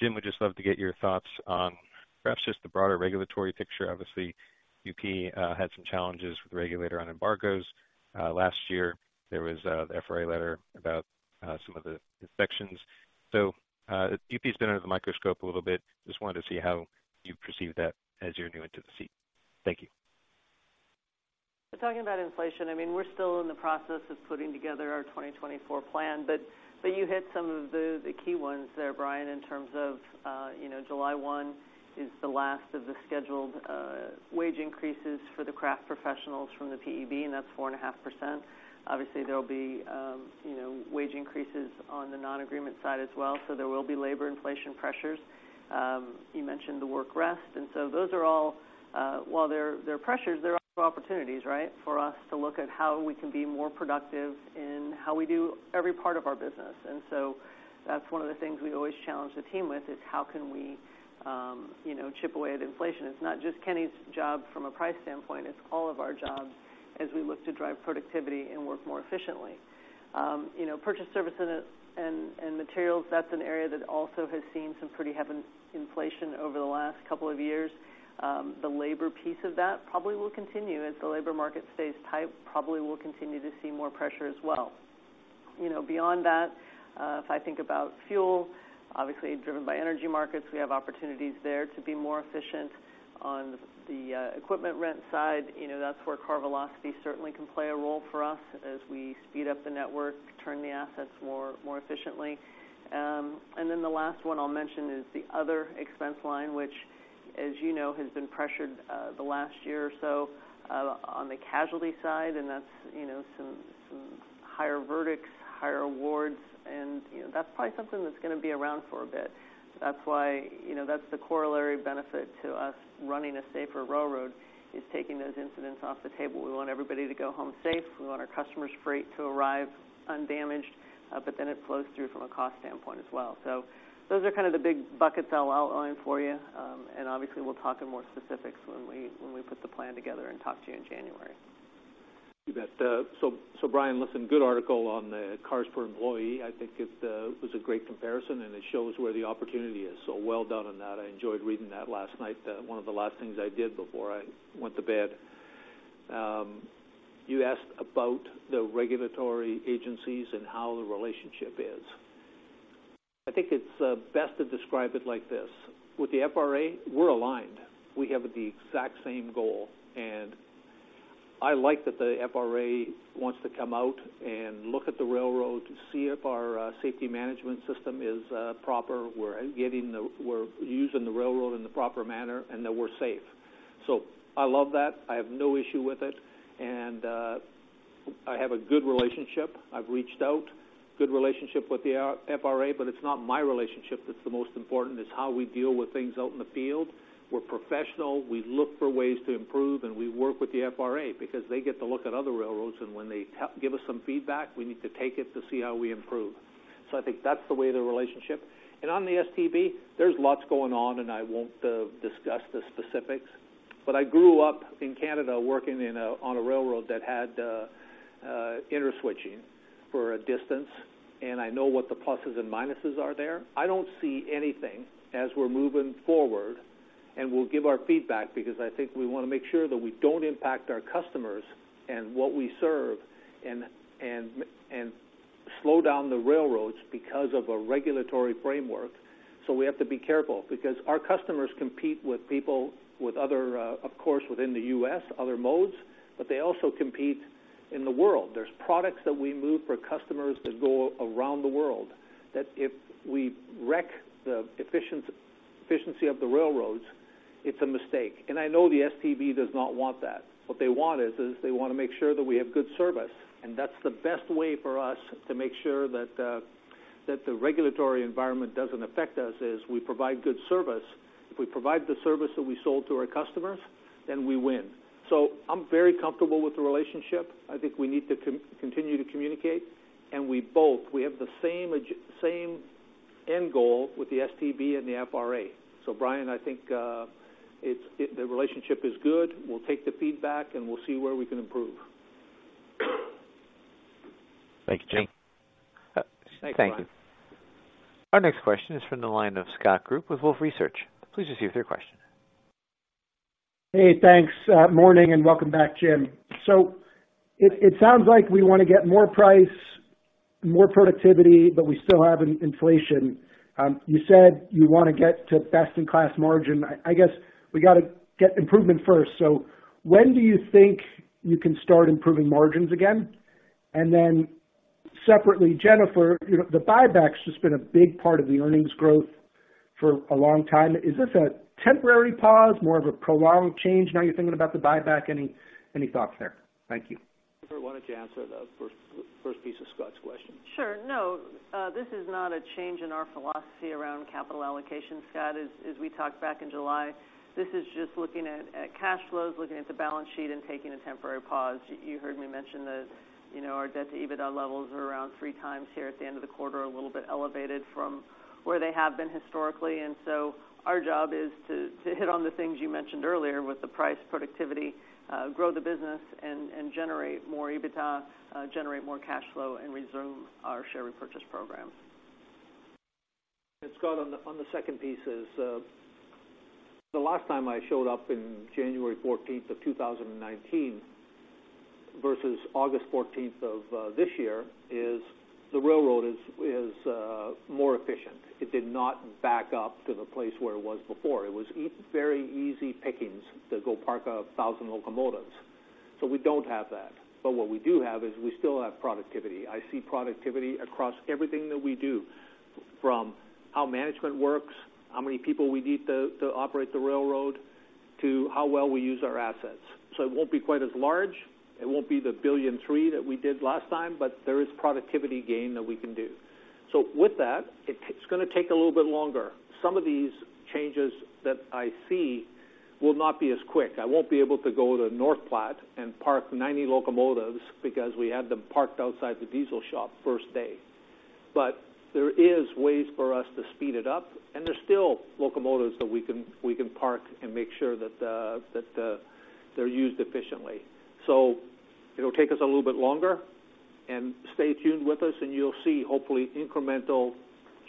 Jim, would just love to get your thoughts on perhaps just the broader regulatory picture. Obviously, UP had some challenges with the regulator on embargoes. Last year, there was the FRA letter about some of the inspections. So, UP's been under the microscope a little bit. Just wanted to see how you perceive that as you're new into the seat? Thank you. Talking about inflation, I mean, we're still in the process of putting together our 2024 plan, but you hit some of the key ones there, Brian, in terms of, you know, July 1 is the last of the scheduled wage increases for the craft professionals from the PEB, and that's 4.5%. Obviously, there'll be, you know, wage increases on the non-agreement side as well, so there will be labor inflation pressures. You mentioned the work rest, and so those are all, while they're pressures, they're opportunities, right, for us to look at how we can be more productive in how we do every part of our business. And so that's one of the things we always challenge the team with, is how can we, you know, chip away at inflation? It's not just Kenny's job from a price standpoint, it's all of our jobs as we look to drive productivity and work more efficiently. You know, purchased services and materials, that's an area that also has seen some pretty heavy inflation over the last couple of years. The labor piece of that probably will continue. As the labor market stays tight, probably we'll continue to see more pressure as well. You know, beyond that, if I think about fuel, obviously, driven by energy markets, we have opportunities there to be more efficient on the equipment rent side. You know, that's where car velocity certainly can play a role for us as we speed up the network, turn the assets more efficiently. And then the last one I'll mention is the other expense line, which, as you know, has been pressured, the last year or so, on the casualty side, and that's, you know, some, some higher verdicts, higher awards, and, you know, that's probably something that's gonna be around for a bit. That's why, you know, that's the corollary benefit to us running a safer railroad, is taking those incidents off the table. We want everybody to go home safe. We want our customers' freight to arrive undamaged, but then it flows through from a cost standpoint as well. So those are kind of the big buckets I'll outline for you, and obviously, we'll talk in more specifics when we, when we put the plan together and talk to you in January. You bet. So, Brian, listen, good article on the cars per employee. I think it was a great comparison, and it shows where the opportunity is, so well done on that. I enjoyed reading that last night, one of the last things I did before I went to bed. You asked about the regulatory agencies and how the relationship is. I think it's best to describe it like this: With the FRA, we're aligned. We have the exact same goal, and I like that the FRA wants to come out and look at the railroad to see if our safety management system is proper, we're using the railroad in the proper manner, and that we're safe. So I love that. I have no issue with it, and I have a good relationship. I've reached out, good relationship with the FRA, but it's not my relationship that's the most important, it's how we deal with things out in the field. We're professional, we look for ways to improve, and we work with the FRA because they get to look at other railroads, and when they give us some feedback, we need to take it to see how we improve. So I think that's the way of the relationship. And on the STB, there's lots going on, and I won't discuss the specifics, but I grew up in Canada working in a, on a railroad that had interswitching for a distance, and I know what the pluses and minuses are there. I don't see anything as we're moving forward, and we'll give our feedback because I think we wanna make sure that we don't impact our customers and what we serve and slow down the railroads because of a regulatory framework. So we have to be careful because our customers compete with people, with other, of course, within the U.S., other modes, but they also compete in the world. There's products that we move for customers that go around the world, that if we wreck the efficiency of the railroads, it's a mistake. And I know the STB does not want that. What they want is they wanna make sure that we have good service, and that's the best way for us to make sure that the regulatory environment doesn't affect us, is we provide good service. If we provide the service that we sold to our customers, then we win. So I'm very comfortable with the relationship. I think we need to continue to communicate, and we both have the same end goal with the STB and the FRA. So Brian, I think the relationship is good. We'll take the feedback, and we'll see where we can improve. Thank you, Jim. Thanks, Brian. Thank you. Our next question is from the line of Scott Group with Wolfe Research. Please proceed with your question. Hey, thanks, morning, and welcome back, Jim. So it sounds like we wanna get more price, more productivity, but we still have inflation. You said you wanna get to best-in-class margin. I guess we gotta get improvement first. So when do you think you can start improving margins again? And then separately, Jennifer, you know, the buyback's just been a big part of the earnings growth for a long time. Is this a temporary pause, more of a prolonged change, now you're thinking about the buyback? Any thoughts there? Thank you. Jennifer, why don't you answer the first, first piece of Scott's question? Sure. No, this is not a change in our philosophy around capital allocation, Scott. As, as we talked back in July, this is just looking at, at cash flows, looking at the balance sheet, and taking a temporary pause. You, you heard me mention that, you know, our debt-to-EBITDA levels are around three times here at the end of the quarter, a little bit elevated from where they have been historically. And so our job is to, to hit on the things you mentioned earlier with the price, productivity, grow the business and, and generate more EBITDA, generate more cash flow, and resume our share repurchase program. Scott, on the second piece is the last time I showed up in January 14, 2019 versus August 14 of this year, is the railroad is more efficient. It did not back up to the place where it was before. It was very easy pickings to go park 1,000 locomotives, so we don't have that. But what we do have is we still have productivity. I see productivity across everything that we do, from how management works, how many people we need to operate the railroad, to how well we use our assets. So it won't be quite as large, it won't be the $1.3 billion that we did last time, but there is productivity gain that we can do. So with that, it's gonna take a little bit longer. Some of these changes that I see will not be as quick. I won't be able to go to North Platte and park 90 locomotives because we had them parked outside the diesel shop first day. But there is ways for us to speed it up, and there's still locomotives that we can, we can park and make sure that, that, they're used efficiently. So it'll take us a little bit longer, and stay tuned with us, and you'll see, hopefully, incremental.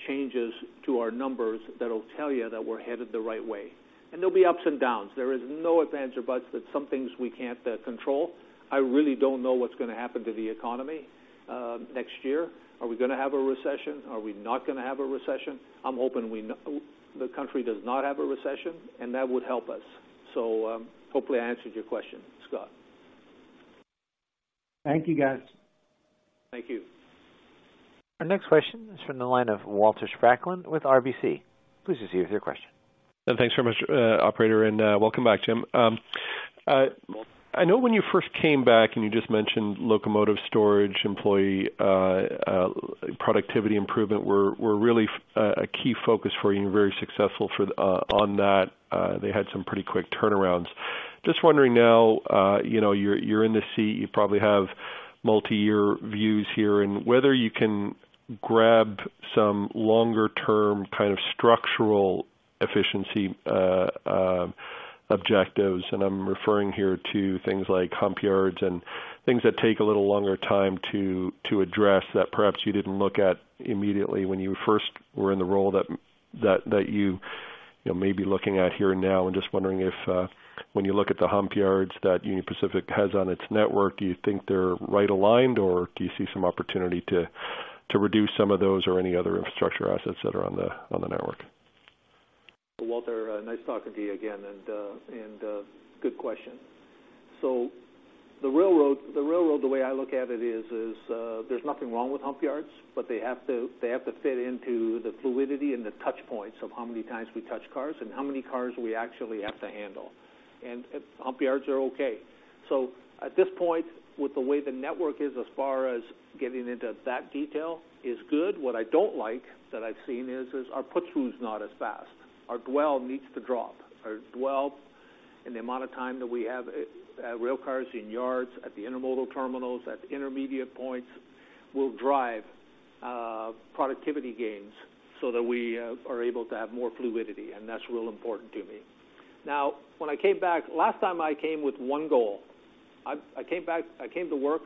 Changes to our numbers that'll tell you that we're headed the right way. And there'll be ups and downs. There is no ifs, ands, or buts, that some things we can't control. I really don't know what's gonna happen to the economy, next year. Are we gonna have a recession? Are we not gonna have a recession? I'm hoping we, the country does not have a recession, and that would help us. So, hopefully, I answered your question, Scott. Thank you, guys. Thank you. Our next question is from the line of Walter Spracklin with RBC. Please proceed with your question. Thanks very much, operator, and welcome back, Jim. I know when you first came back and you just mentioned locomotive storage, employee productivity improvement were really a key focus for you and very successful on that. They had some pretty quick turnarounds. Just wondering now, you know, you're in the seat, you probably have multi-year views here, and whether you can grab some longer-term kind of structural efficiency objectives, and I'm referring here to things like hump yard and things that take a little longer time to address, that perhaps you didn't look at immediately when you first were in the role that you may be looking at here and now. Just wondering if, when you look at the hump yard that Union Pacific has on its network, do you think they're right-sized, or do you see some opportunity to reduce some of those or any other infrastructure assets that are on the network? Walter, nice talking to you again, and, and, good question. So the railroad, the way I look at it is, there's nothing wrong with hump yard, but they have to fit into the fluidity and the touch points of how many times we touch cars and how many cars we actually have to handle. And hump yard are okay. So at this point, with the way the network is as far as getting into that detail, is good. What I don't like, that I've seen, is our put-through is not as fast. Our dwell needs to drop. Our dwell and the amount of time that we have rail cars in yards, at the intermodal terminals, at intermediate points, will drive productivity gains so that we are able to have more fluidity, and that's real important to me. Now, when I came back last time, I came with one goal. I came back, I came to work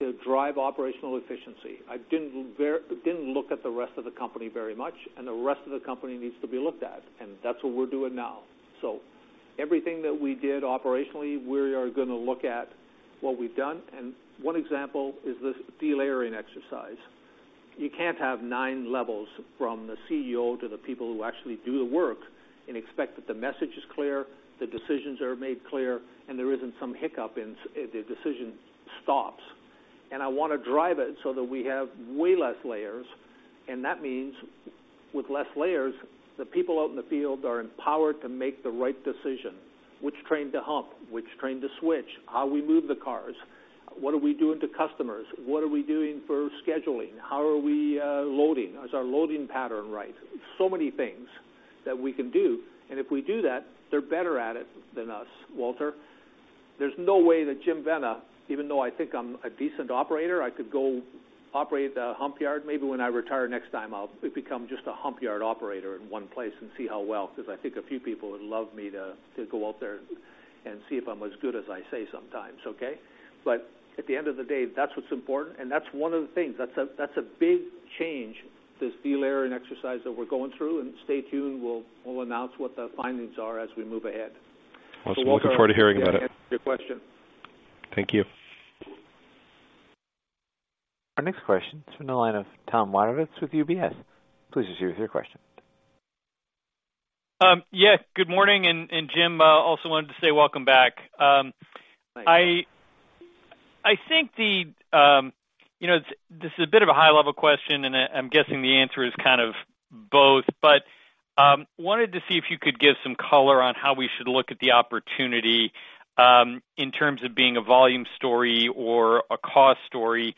to drive operational efficiency. I didn't look at the rest of the company very much, and the rest of the company needs to be looked at, and that's what we're doing now. So everything that we did operationally, we are gonna look at what we've done, and one example is this delayering exercise. You can't have nine levels from the CEO to the people who actually do the work and expect that the message is clear, the decisions are made clear, and there isn't some hiccup in the decision stops. I wanna drive it so that we have way less layers, and that means with less layers, the people out in the field are empowered to make the right decision. Which train to hump, which train to switch, how we move the cars, what are we doing to customers? What are we doing for scheduling? How are we loading? Is our loading pattern right? So many things that we can do, and if we do that, they're better at it than us, Walter. There's no way that Jim Vena, even though I think I'm a decent operator, I could go operate the hump yard. Maybe when I retire next time, I'll become just a Hump Yard operator in one place and see how well, because I think a few people would love me to go out there and see if I'm as good as I say sometimes, okay? But at the end of the day, that's what's important, and that's one of the things. That's a big change, this delayering exercise that we're going through, and stay tuned, we'll announce what the findings are as we move ahead. Well, looking forward to hearing about it. Thanks for your question. Thank you. Our next question is from the line of Tom Wadewitz with UBS. Please proceed with your question. Yes, good morning, and Jim, also wanted to say welcome back. Thanks. I think the, you know, this is a bit of a high-level question, and I'm guessing the answer is kind of both, but wanted to see if you could give some color on how we should look at the opportunity in terms of being a volume story or a cost story.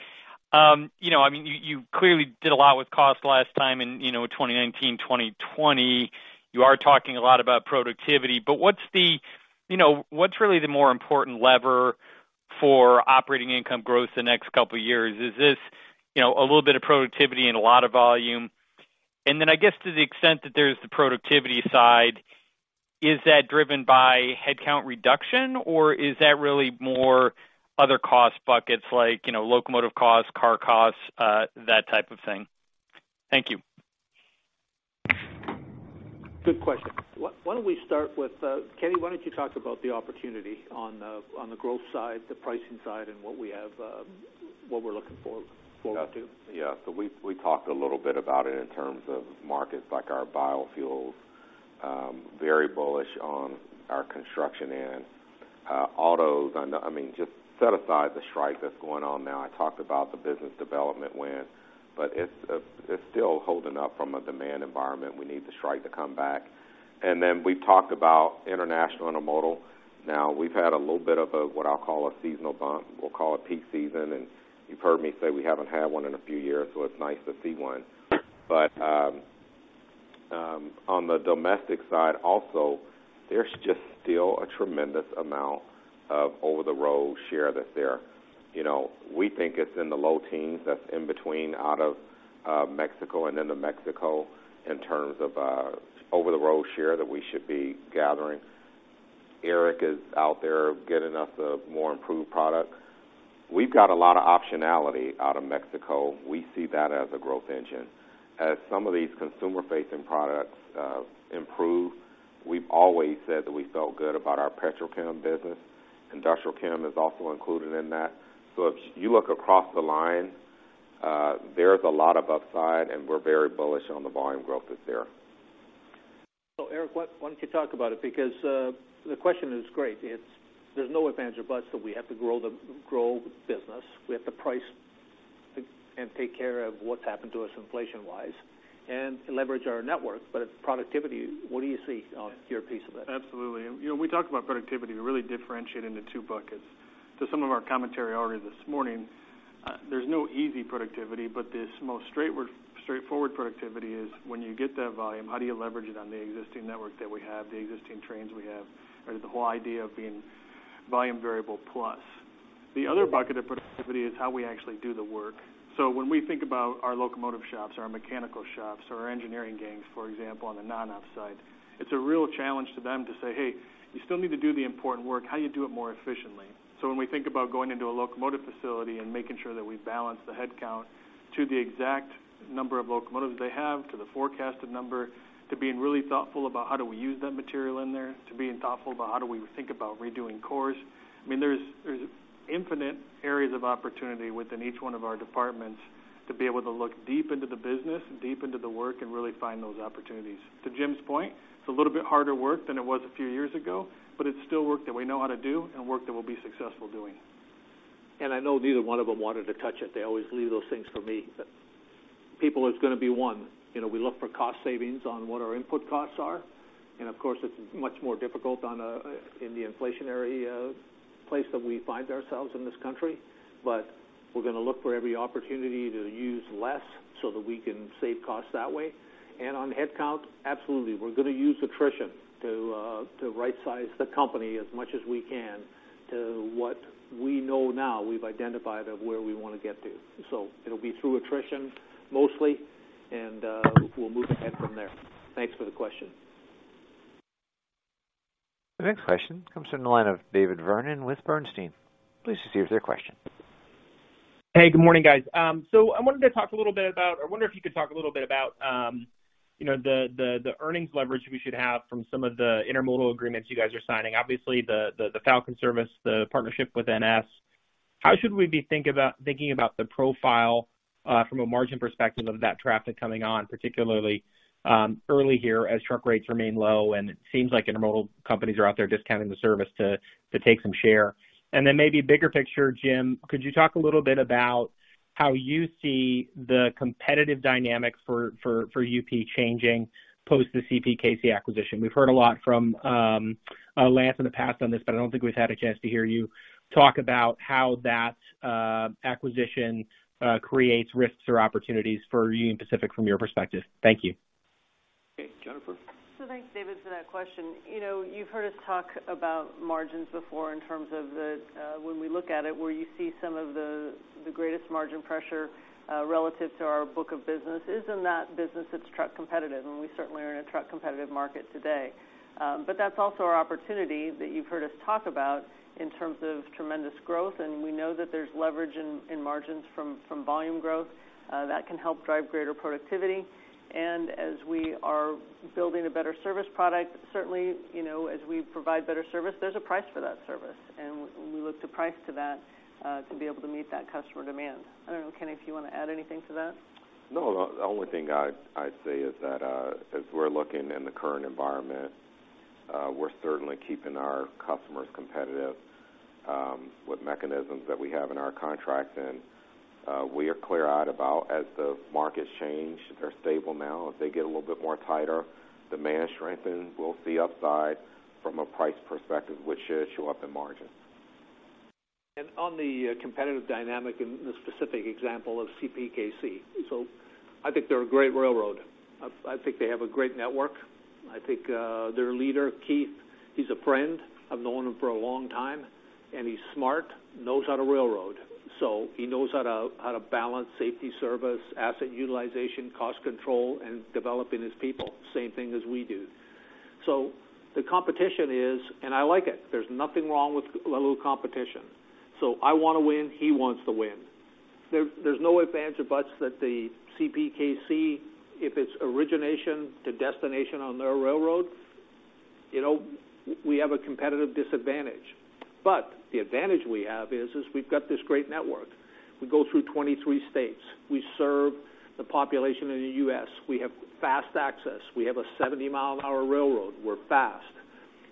You know, I mean, you clearly did a lot with cost last time in, you know, 2019, 2020. You are talking a lot about productivity, but what's the, you know, what's really the more important lever for operating income growth the next couple of years? Is this, you know, a little bit of productivity and a lot of volume? And then I guess to the extent that there's the productivity side, is that driven by headcount reduction, or is that really more other cost buckets like, you know, locomotive costs, car costs, that type of thing? Thank you. Good question. Why don't we start with, Kenny, why don't you talk about the opportunity on the, on the growth side, the pricing side, and what we have, what we're looking forward to? Yeah, so we talked a little bit about it in terms of markets like our biofuels, very bullish on our construction and autos. And, I mean, just set aside the strike that's going on now. I talked about the business development win, but it's still holding up from a demand environment. We need the strike to come back. And then we talked about international intermodal. Now, we've had a little bit of a, what I'll call a seasonal bump. We'll call it peak season, and you've heard me say we haven't had one in a few years, so it's nice to see one. But on the domestic side also, there's just still a tremendous amount of over-the-road share that's there. You know, we think it's in the low teens, that's in between out of, Mexico and into Mexico, in terms of, over-the-road share that we should be gathering. Eric is out there getting us a more improved product. We've got a lot of optionality out of Mexico. We see that as a growth engine. As some of these consumer-facing products improve, we've always said that we felt good about our Petrochem business. Industrial chem is also included in that. So if you look across the line, there's a lot of upside, and we're very bullish on the volume growth that's there. So Eric, what—why don't you talk about it? Because the question is great. It's there's no ifs, ands, or buts that we have to grow the, grow the business. We have to price and take care of what's happened to us inflation-wise and leverage our network. But productivity, what do you see on your piece of it? Absolutely. You know, we talked about productivity, we really differentiate into two buckets. To some of our commentary already this morning, there's no easy productivity, but this most straightforward productivity is when you get that volume, how do you leverage it on the existing network that we have, the existing trains we have, or the whole idea of being volume variable plus. The other bucket of productivity is how we actually do the work. So when we think about our locomotive shops, our mechanical shops, our engineering gangs, for example, on the non-op side, it's a real challenge to them to say, "Hey, you still need to do the important work. How do you do it more efficiently?" So when we think about going into a locomotive facility and making sure that we balance the headcount to the exact number of locomotives they have, to the forecasted number, to being really thoughtful about how do we use that material in there, to being thoughtful about how do we think about redoing cores. I mean, there's, there's infinite areas of opportunity within each one of our departments to be able to look deep into the business, deep into the work, and really find those opportunities. To Jim's point, it's a little bit harder work than it was a few years ago, but it's still work that we know how to do and work that we'll be successful doing. I know neither one of them wanted to touch it. They always leave those things for me. But people, it's gonna be one. You know, we look for cost savings on what our input costs are, and of course, it's much more difficult on a, in the inflationary place that we find ourselves in this country. But we're gonna look for every opportunity to use less so that we can save costs that way. And on headcount, absolutely, we're gonna use attrition to rightsize the company as much as we can to what we know now we've identified of where we wanna get to. So it'll be through attrition, mostly, and we'll move ahead from there. Thanks for the question. The next question comes from the line of David Vernon with Bernstein. Please proceed with your question. Hey, good morning, guys. So I wanted to talk a little bit about, or wonder if you could talk a little bit about, you know, the earnings leverage we should have from some of the intermodal agreements you guys are signing. Obviously, the Falcon Service, the partnership with NS. How should we be thinking about the profile, from a margin perspective of that traffic coming on, particularly early here, as truck rates remain low, and it seems like intermodal companies are out there discounting the service to take some share? And then maybe bigger picture, Jim, could you talk a little bit about how you see the competitive dynamics for UP changing post the CPKC acquisition? We've heard a lot from Lance in the past on this, but I don't think we've had a chance to hear you talk about how that acquisition creates risks or opportunities for Union Pacific from your perspective. Thank you. Okay, Jennifer? So thanks, David, for that question. You know, you've heard us talk about margins before in terms of the, when we look at it, where you see some of the, the greatest margin pressure, relative to our book of business is in that business that's truck competitive, and we certainly are in a truck competitive market today. But that's also our opportunity that you've heard us talk about in terms of tremendous growth, and we know that there's leverage in margins from volume growth, that can help drive greater productivity. And as we are building a better service product, certainly, you know, as we provide better service, there's a price for that service, and we look to price to that, to be able to meet that customer demand. I don't know, Kenny, if you wanna add anything to that? No, the only thing I'd say is that, as we're looking in the current environment, we're certainly keeping our customers competitive with mechanisms that we have in our contracts. We are clear out about as the markets change; they're stable now. If they get a little bit more tighter, demand strengthens, we'll see upside from a price perspective, which should show up in margins. And on the competitive dynamic in the specific example of CPKC, so I think they're a great railroad. I think they have a great network. I think, their leader, Keith, he's a friend. I've known him for a long time, and he's smart, knows how to railroad. So he knows how to balance safety, service, asset utilization, cost control, and developing his people, same thing as we do. So the competition is, and I like it, there's nothing wrong with a little competition. So I wanna win, he wants to win. There's no ifs, ands, or buts that the CPKC, if it's origination to destination on their railroad, you know, we have a competitive disadvantage. But the advantage we have is, we've got this great network. We go through 23 states. We serve the population in the U.S. We have fast access. We have a 70-mile-an-hour railroad. We're fast.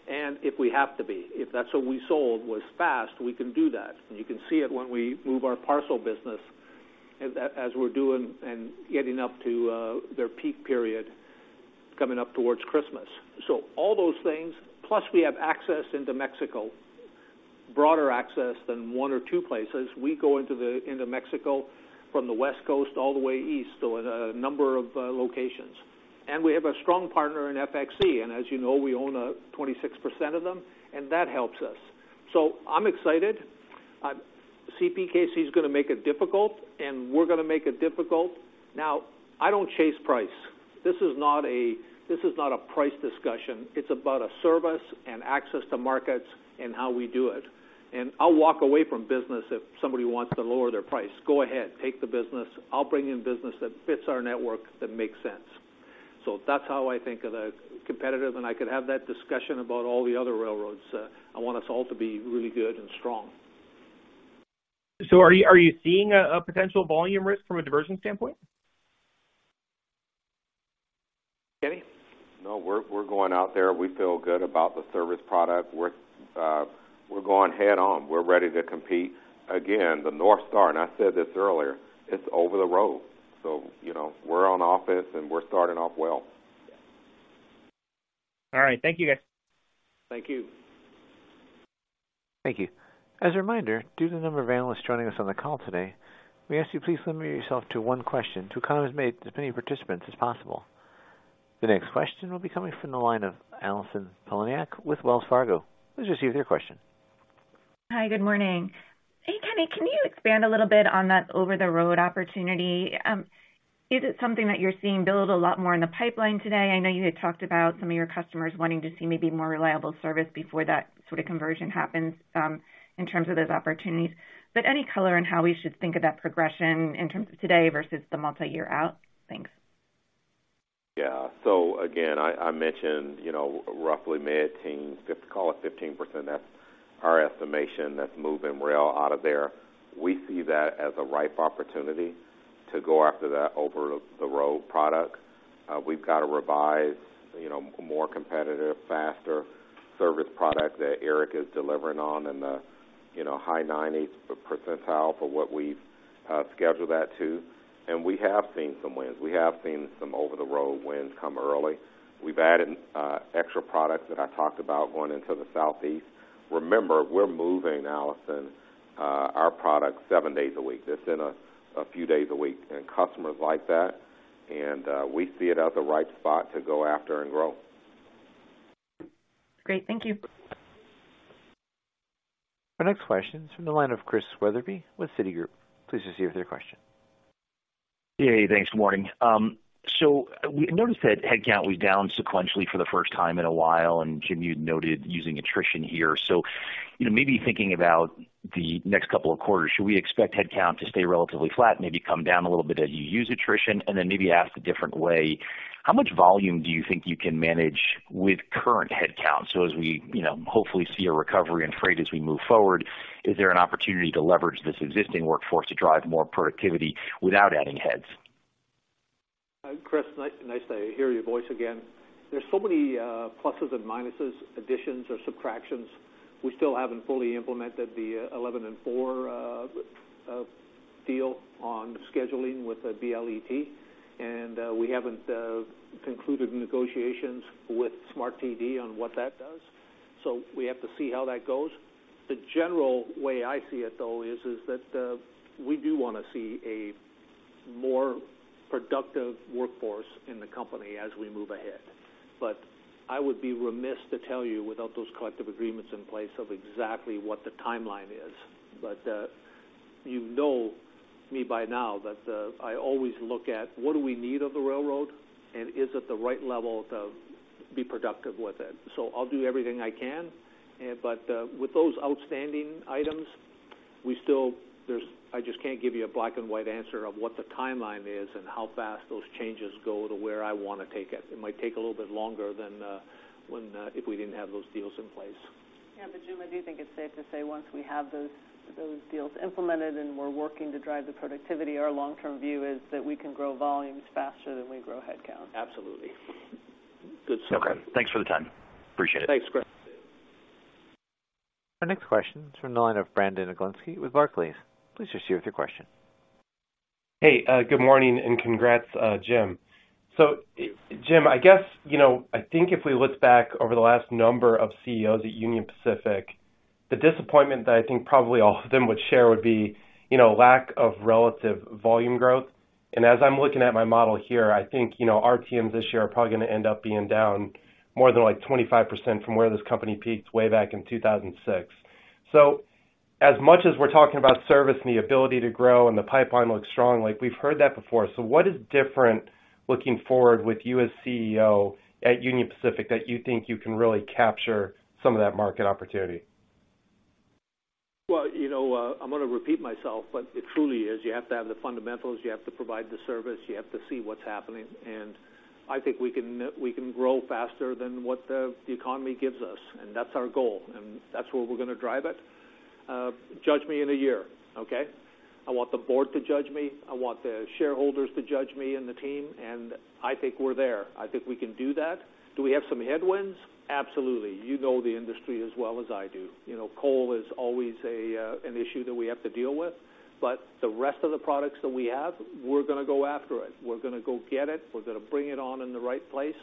And if we have to be, if that's what we sold, was fast, we can do that, and you can see it when we move our parcel business as we're doing and getting up to their peak period coming up towards Christmas. So all those things, plus we have access into Mexico, broader access than one or two places. We go into Mexico from the West Coast all the way east, so at a number of locations. And we have a strong partner in FXE, and as you know, we own 26% of them, and that helps us. So I'm excited. CPKC is going to make it difficult, and we're going to make it difficult. Now, I don't chase price. This is not a, this is not a price discussion. It's about a service and access to markets and how we do it. And I'll walk away from business if somebody wants to lower their price. Go ahead, take the business. I'll bring in business that fits our network, that makes sense. So that's how I think of the competitive, and I could have that discussion about all the other railroads. I want us all to be really good and strong. So, are you seeing a potential volume risk from a diversion standpoint? Kenny? No, we're going out there. We feel good about the service product. We're going head on. We're ready to compete. Again, the North Star, and I said this earlier, it's over the road. So, you know, we're on offense, and we're starting off well. All right. Thank you, guys. Thank you. Thank you. As a reminder, due to the number of analysts joining us on the call today, we ask you, please limit yourself to one question to accommodate as many participants as possible. The next question will be coming from the line of Alison Poliniak with Wells Fargo. Please proceed with your question. Hi, good morning. Hey, Kenny, can you expand a little bit on that over-the-road opportunity? Is it something that you're seeing build a lot more in the pipeline today? I know you had talked about some of your customers wanting to see maybe more reliable service before that sort of conversion happens, in terms of those opportunities. But any color on how we should think of that progression in terms of today versus the multiyear out? Thanks. Yeah. So again, I mentioned, you know, roughly mid-teens, just call it 15%. That's our estimation, that's moving rail out of there. We see that as a ripe opportunity to go after that over the road product. We've got to revise, you know, more competitive, faster service product that Eric is delivering on in the, you know, high 90s percentile for what we've scheduled that to. And we have seen some wins. We have seen some over-the-road wins come early. We've added extra products that I talked about going into the Southeast. Remember, we're moving, Alison, our product seven days a week. That's in a few days a week, and customers like that, and we see it as a right spot to go after and grow. Great. Thank you. Our next question is from the line of Chris Wetherbee with Citigroup. Please proceed with your question. Hey, thanks. Good morning. So we noticed that headcount was down sequentially for the first time in a while, and Jim, you noted using attrition here. So, you know, maybe thinking about the next couple of quarters, should we expect headcount to stay relatively flat, maybe come down a little bit as you use attrition? And then maybe ask a different way, how much volume do you think you can manage with current headcount? So as we, you know, hopefully see a recovery in freight as we move forward, is there an opportunity to leverage this existing workforce to drive more productivity without adding heads? Hi, Chris. Nice, nice to hear your voice again. There's so many pluses and minuses, additions or subtractions. We still haven't fully implemented the 11 and 4 deal on scheduling with the BLET, and we haven't concluded negotiations with SMART-TD on what that does, so we have to see how that goes. The general way I see it, though, is that we do want to see a more productive workforce in the company as we move ahead. But I would be remiss to tell you, without those collective agreements in place, of exactly what the timeline is. But you know me by now, that I always look at what do we need of the railroad and is it the right level to be productive with it. So I'll do everything I can, but with those outstanding items, we still, there's I just can't give you a black-and-white answer of what the timeline is and how fast those changes go to where I want to take it. It might take a little bit longer than when if we didn't have those deals in place. Yeah, but Jim, I do think it's safe to say once we have those deals implemented and we're working to drive the productivity, our long-term view is that we can grow volumes faster than we grow headcount. Absolutely. Good summary. Okay, thanks for the time. Appreciate it. Thanks, Chris. Our next question is from the line of Brandon Oglenski with Barclays. Please proceed with your question. Hey, good morning, and congrats, Jim. So, Jim, I guess, you know, I think if we look back over the last number of CEOs at Union Pacific, the disappointment that I think probably all of them would share would be, you know, lack of relative volume growth. And as I'm looking at my model here, I think, you know, RTMs this year are probably going to end up being down more than, like, 25% from where this company peaked way back in 2006. So as much as we're talking about service and the ability to grow and the pipeline looks strong, like we've heard that before. So what is different looking forward with you as CEO at Union Pacific, that you think you can really capture some of that market opportunity? Well, you know, I'm going to repeat myself, but it truly is. You have to have the fundamentals, you have to provide the service, you have to see what's happening, and I think we can, we can grow faster than what the, the economy gives us, and that's our goal, and that's where we're going to drive it. Judge me in a year, okay? I want the board to judge me, I want the shareholders to judge me and the team, and I think we're there. I think we can do that. Do we have some headwinds? Absolutely. You know, the industry as well as I do. You know, coal is always a, an issue that we have to deal with, but the rest of the products that we have, we're going to go after it. We're going to go get it, we're going to bring it on in the right place,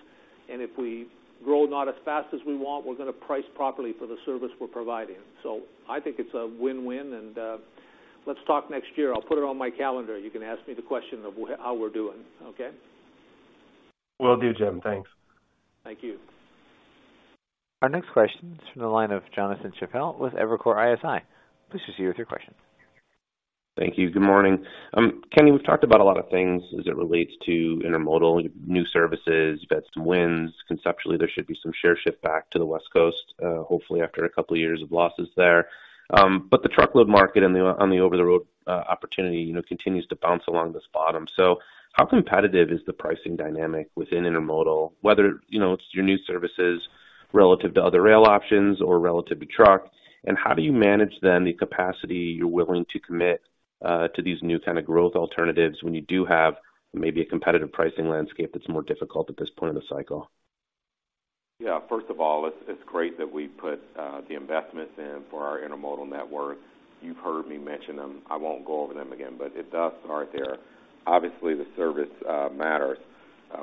and if we grow not as fast as we want, we're going to price properly for the service we're providing. So I think it's a win-win, and, let's talk next year. I'll put it on my calendar. You can ask me the question of how we're doing, okay? Will do, Jim. Thanks. Thank you. Our next question is from the line of Jonathan Chappell with Evercore ISI. Please proceed with your question. Thank you. Good morning. Kenny, we've talked about a lot of things as it relates to intermodal, new services, you've had some wins. Conceptually, there should be some share shift back to the West Coast, hopefully after a couple of years of losses there. But the truckload market and the, on the over-the-road, opportunity, you know, continues to bounce along this bottom. So how competitive is the pricing dynamic within intermodal, whether, you know, it's your new services relative to other rail options or relative to truck? And how do you manage then, the capacity you're willing to commit to these new kind of growth alternatives when you do have maybe a competitive pricing landscape that's more difficult at this point in the cycle? Yeah, first of all, it's great that we put the investments in for our intermodal network. You've heard me mention them. I won't go over them again, but it does start there. Obviously, the service matters.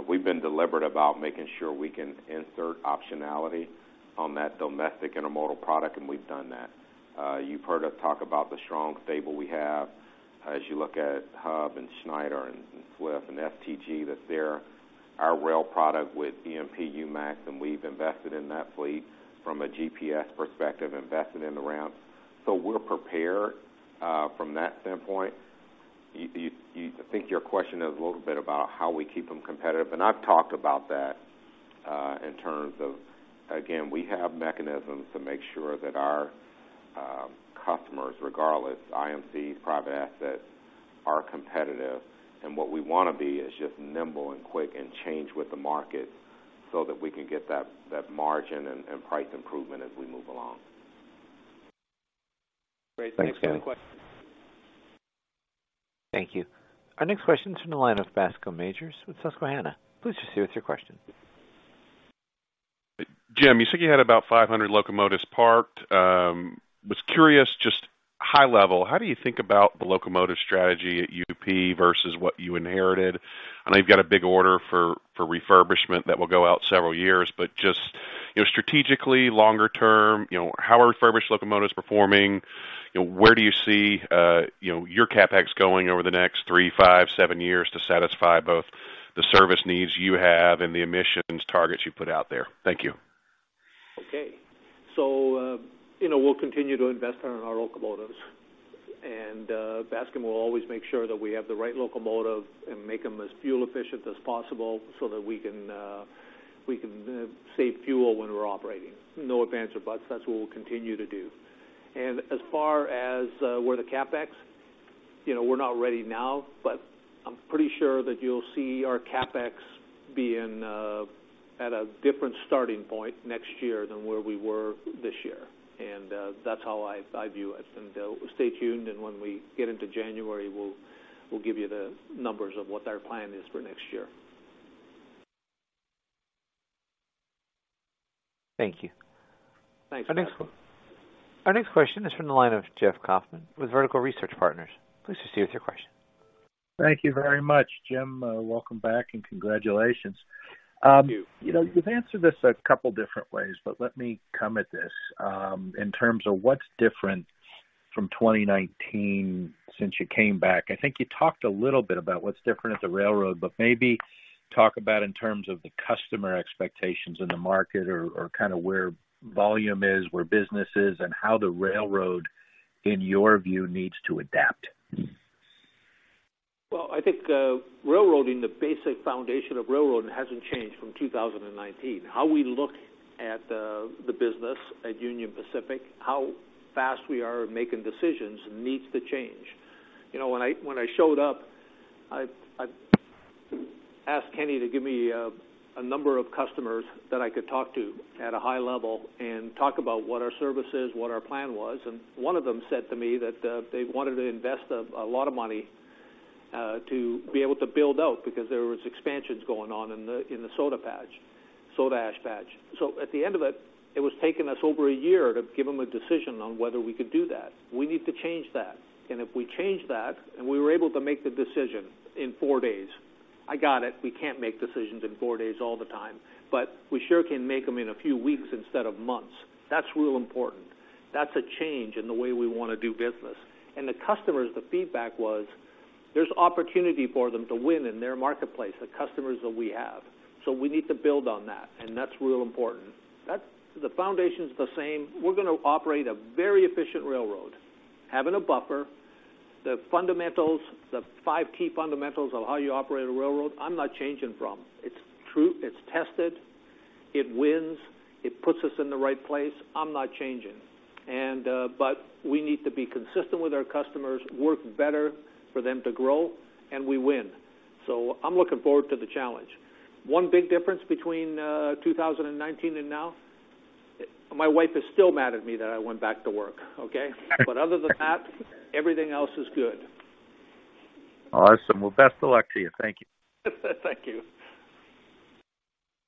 We've been deliberate about making sure we can insert optionality on that domestic intermodal product, and we've done that. You've heard us talk about the strong stable we have as you look at Hub and Schneider and Swift and STG, that they're our rail product with EMP UMAX, and we've invested in that fleet from a GPS perspective, invested in the ramp. So we're prepared from that standpoint. You. I think your question is a little bit about how we keep them competitive, and I've talked about that, in terms of, again, we have mechanisms to make sure that our, customers, regardless, IMC, private assets, are competitive. And what we want to be is just nimble and quick and change with the market so that we can get that, that margin and, and price improvement as we move along. Great. Thanks for the question. Thank you. Our next question is from the line of Bascome Majors with Susquehanna. Please proceed with your question. Jim, you said you had about 500 locomotives parked. Was curious, just high level, how do you think about the locomotive strategy at UP versus what you inherited? I know you've got a big order for refurbishment that will go out several years, but just, you know, strategically, longer term, you know, how are refurbished locomotives performing? You know, where do you see your CapEx going over the next 3, 5, 7 years to satisfy both the service needs you have and the emissions targets you put out there? Thank you. Okay. So, you know, we'll continue to invest in our locomotives, and, Bascome, we'll always make sure that we have the right locomotive and make them as fuel efficient as possible so that we can, we can save fuel when we're operating. No ifs, ands, or buts, that's what we'll continue to do. As far as where the CapEx, you know, we're not ready now, but I'm pretty sure that you'll see our CapEx being at a different starting point next year than where we were this year. And that's how I, I view it. Stay tuned, and when we get into January, we'll, we'll give you the numbers of what our plan is for next year. Thank you. Thanks. Our next question is from the line of Jeff Kauffman with Vertical Research Partners. Please proceed with your question. Thank you very much, Jim. Welcome back, and congratulations. Thank you. You know, you've answered this a couple different ways, but let me come at this, in terms of what's different from 2019 since you came back. I think you talked a little bit about what's different at the railroad, but maybe talk about in terms of the customer expectations in the market or, or kind of where volume is, where business is, and how the railroad, in your view, needs to adapt. Well, I think, railroading, the basic foundation of railroading hasn't changed from 2019. How we look at the business at Union Pacific, how fast we are at making decisions needs to change. You know, when I showed up, I asked Kenny to give me a number of customers that I could talk to at a high level and talk about what our service is, what our plan was, and one of them said to me that they wanted to invest a lot of money to be able to build out because there was expansions going on in the soda patch, soda ash patch. So at the end of it, it was taking us over a year to give them a decision on whether we could do that. We need to change that, and if we change that, and we were able to make the decision in four days. I got it, we can't make decisions in four days all the time, but we sure can make them in a few weeks instead of months. That's real important. That's a change in the way we want to do business. And the customers, the feedback was, there's opportunity for them to win in their marketplace, the customers that we have. So we need to build on that, and that's real important. That's, the foundation's the same. We're going to operate a very efficient railroad, having a buffer. The fundamentals, the five key fundamentals of how you operate a railroad, I'm not changing from. It's true, it's tested, it wins, it puts us in the right place. I'm not changing. But we need to be consistent with our customers, work better for them to grow, and we win. So I'm looking forward to the challenge. One big difference between 2019 and now, my wife is still mad at me that I went back to work, okay? But other than that, everything else is good. Awesome. Well, best of luck to you. Thank you. Thank you.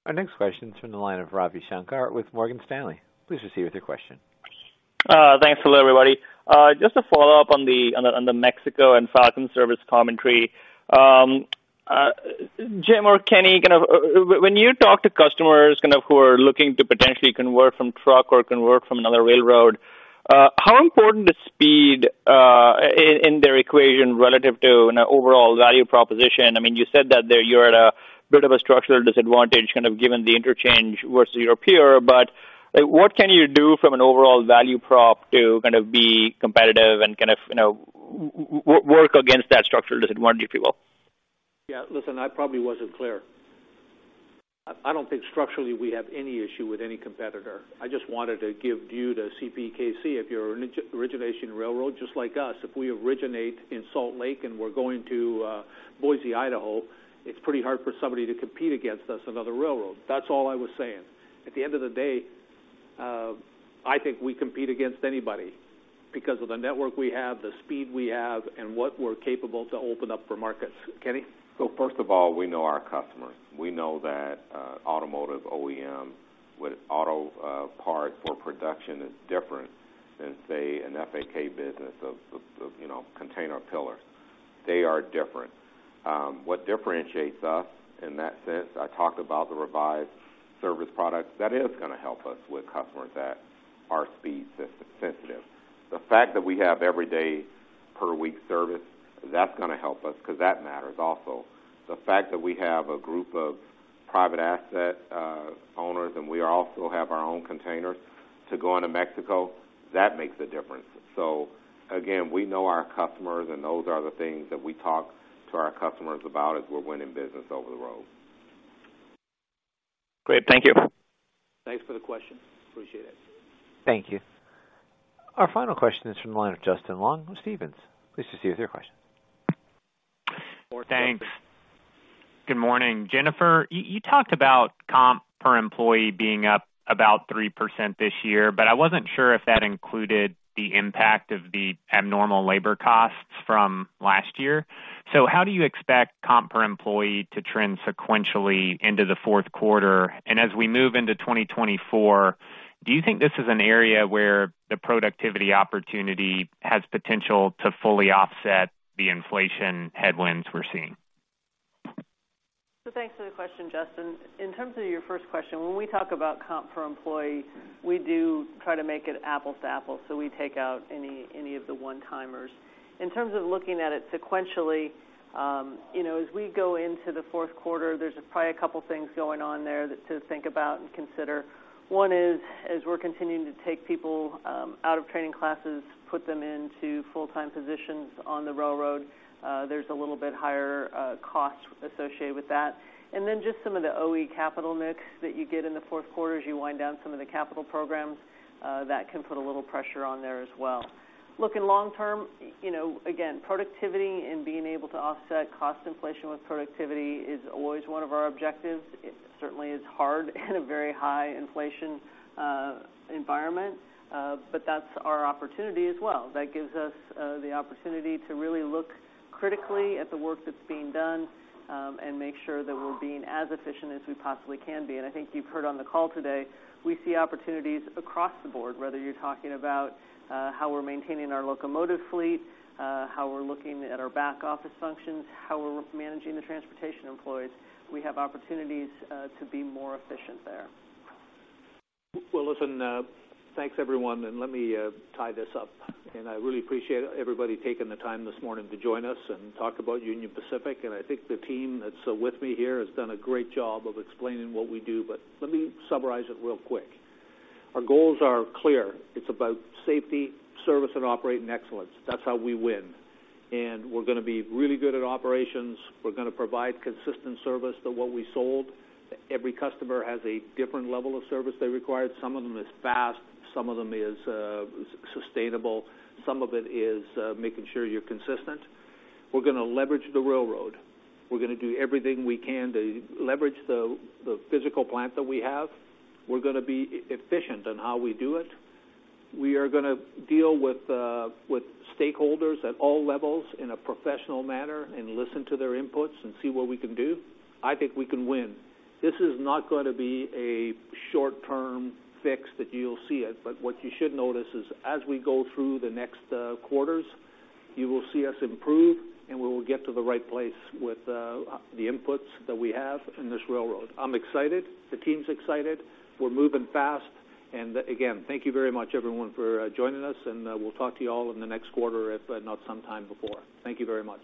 Our next question is from the line of Ravi Shanker with Morgan Stanley. Please proceed with your question. Thanks. Hello, everybody. Just to follow up on the Mexico and Falcon Service commentary. Jim or Kenny, kind of, when you talk to customers kind of who are looking to potentially convert from truck or convert from another railroad, How important is speed in their equation relative to an overall value proposition? I mean, you said that there you're at a bit of a structural disadvantage, kind of, given the interchange versus your peer, but, like, what can you do from an overall value prop to kind of be competitive and kind of, you know, work against that structural disadvantage, if you will? Yeah, listen, I probably wasn't clear. I, I don't think structurally we have any issue with any competitor. I just wanted to give view to CPKC. If you're an origination railroad, just like us, if we originate in Salt Lake, and we're going to Boise, Idaho, it's pretty hard for somebody to compete against us, another railroad. That's all I was saying. At the end of the day, I think we compete against anybody because of the network we have, the speed we have, and what we're capable to open up for markets. Kenny? So first of all, we know our customers. We know that automotive OEM with auto parts or production is different than, say, an FAK business of you know, container fillers. They are different. What differentiates us in that sense, I talked about the revised service products. That is gonna help us with customers that are speed sensitive. The fact that we have every day per week service, that's gonna help us because that matters also. The fact that we have a group of private asset owners, and we also have our own containers to go into Mexico, that makes a difference. So again, we know our customers, and those are the things that we talk to our customers about as we're winning business over the road. Great. Thank you. Thanks for the question. Appreciate it. Thank you. Our final question is from the line of Justin Long with Stephens. Pleased to see you with your question. Thanks. Good morning. Jennifer, you talked about comp per employee being up about 3% this year, but I wasn't sure if that included the impact of the abnormal labor costs from last year. So how do you expect comp per employee to trend sequentially into the Q4. And as we move into 2024, do you think this is an area where the productivity opportunity has potential to fully offset the inflation headwinds we're seeing? So thanks for the question, Justin. In terms of your first question, when we talk about comp per employee, we do try to make it apples to apples, so we take out any of the one-timers. In terms of looking at it sequentially, you know, as we go into the Q4, there's probably a couple things going on there to think about and consider. One is, as we're continuing to take people out of training classes, put them into full-time positions on the railroad, there's a little bit higher costs associated with that. And then just some of the OE capital mix that you get in the Q4, as you wind down some of the capital programs, that can put a little pressure on there as well. Looking long term, you know, again, productivity and being able to offset cost inflation with productivity is always one of our objectives. It certainly is hard in a very high inflation environment, but that's our opportunity as well. That gives us the opportunity to really look critically at the work that's being done and make sure that we're being as efficient as we possibly can be. I think you've heard on the call today, we see opportunities across the board, whether you're talking about how we're maintaining our locomotive fleet, how we're looking at our back office functions, how we're managing the transportation employees. We have opportunities to be more efficient there. Well, listen, thanks, everyone, and let me tie this up. I really appreciate everybody taking the time this morning to join us and talk about Union Pacific. I think the team that's with me here has done a great job of explaining what we do, but let me summarize it real quick. Our goals are clear. It's about safety, service and operating excellence. That's how we win, and we're gonna be really good at operations. We're gonna provide consistent service to what we sold. Every customer has a different level of service they required. Some of them is fast, some of them is sustainable, some of it is making sure you're consistent. We're gonna leverage the railroad. We're gonna do everything we can to leverage the physical plant that we have. We're gonna be efficient in how we do it. We are gonna deal with stakeholders at all levels in a professional manner and listen to their inputs and see what we can do. I think we can win. This is not gonna be a short-term fix that you'll see it, but what you should notice is as we go through the next quarters, you will see us improve, and we will get to the right place with the inputs that we have in this railroad. I'm excited. The team's excited. We're moving fast, and again, thank you very much, everyone, for joining us, and we'll talk to you all in the next quarter, if not sometime before. Thank you very much.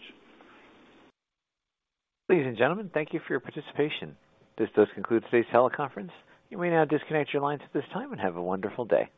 Ladies and gentlemen, thank you for your participation. This does conclude today's teleconference. You may now disconnect your lines at this time and have a wonderful day.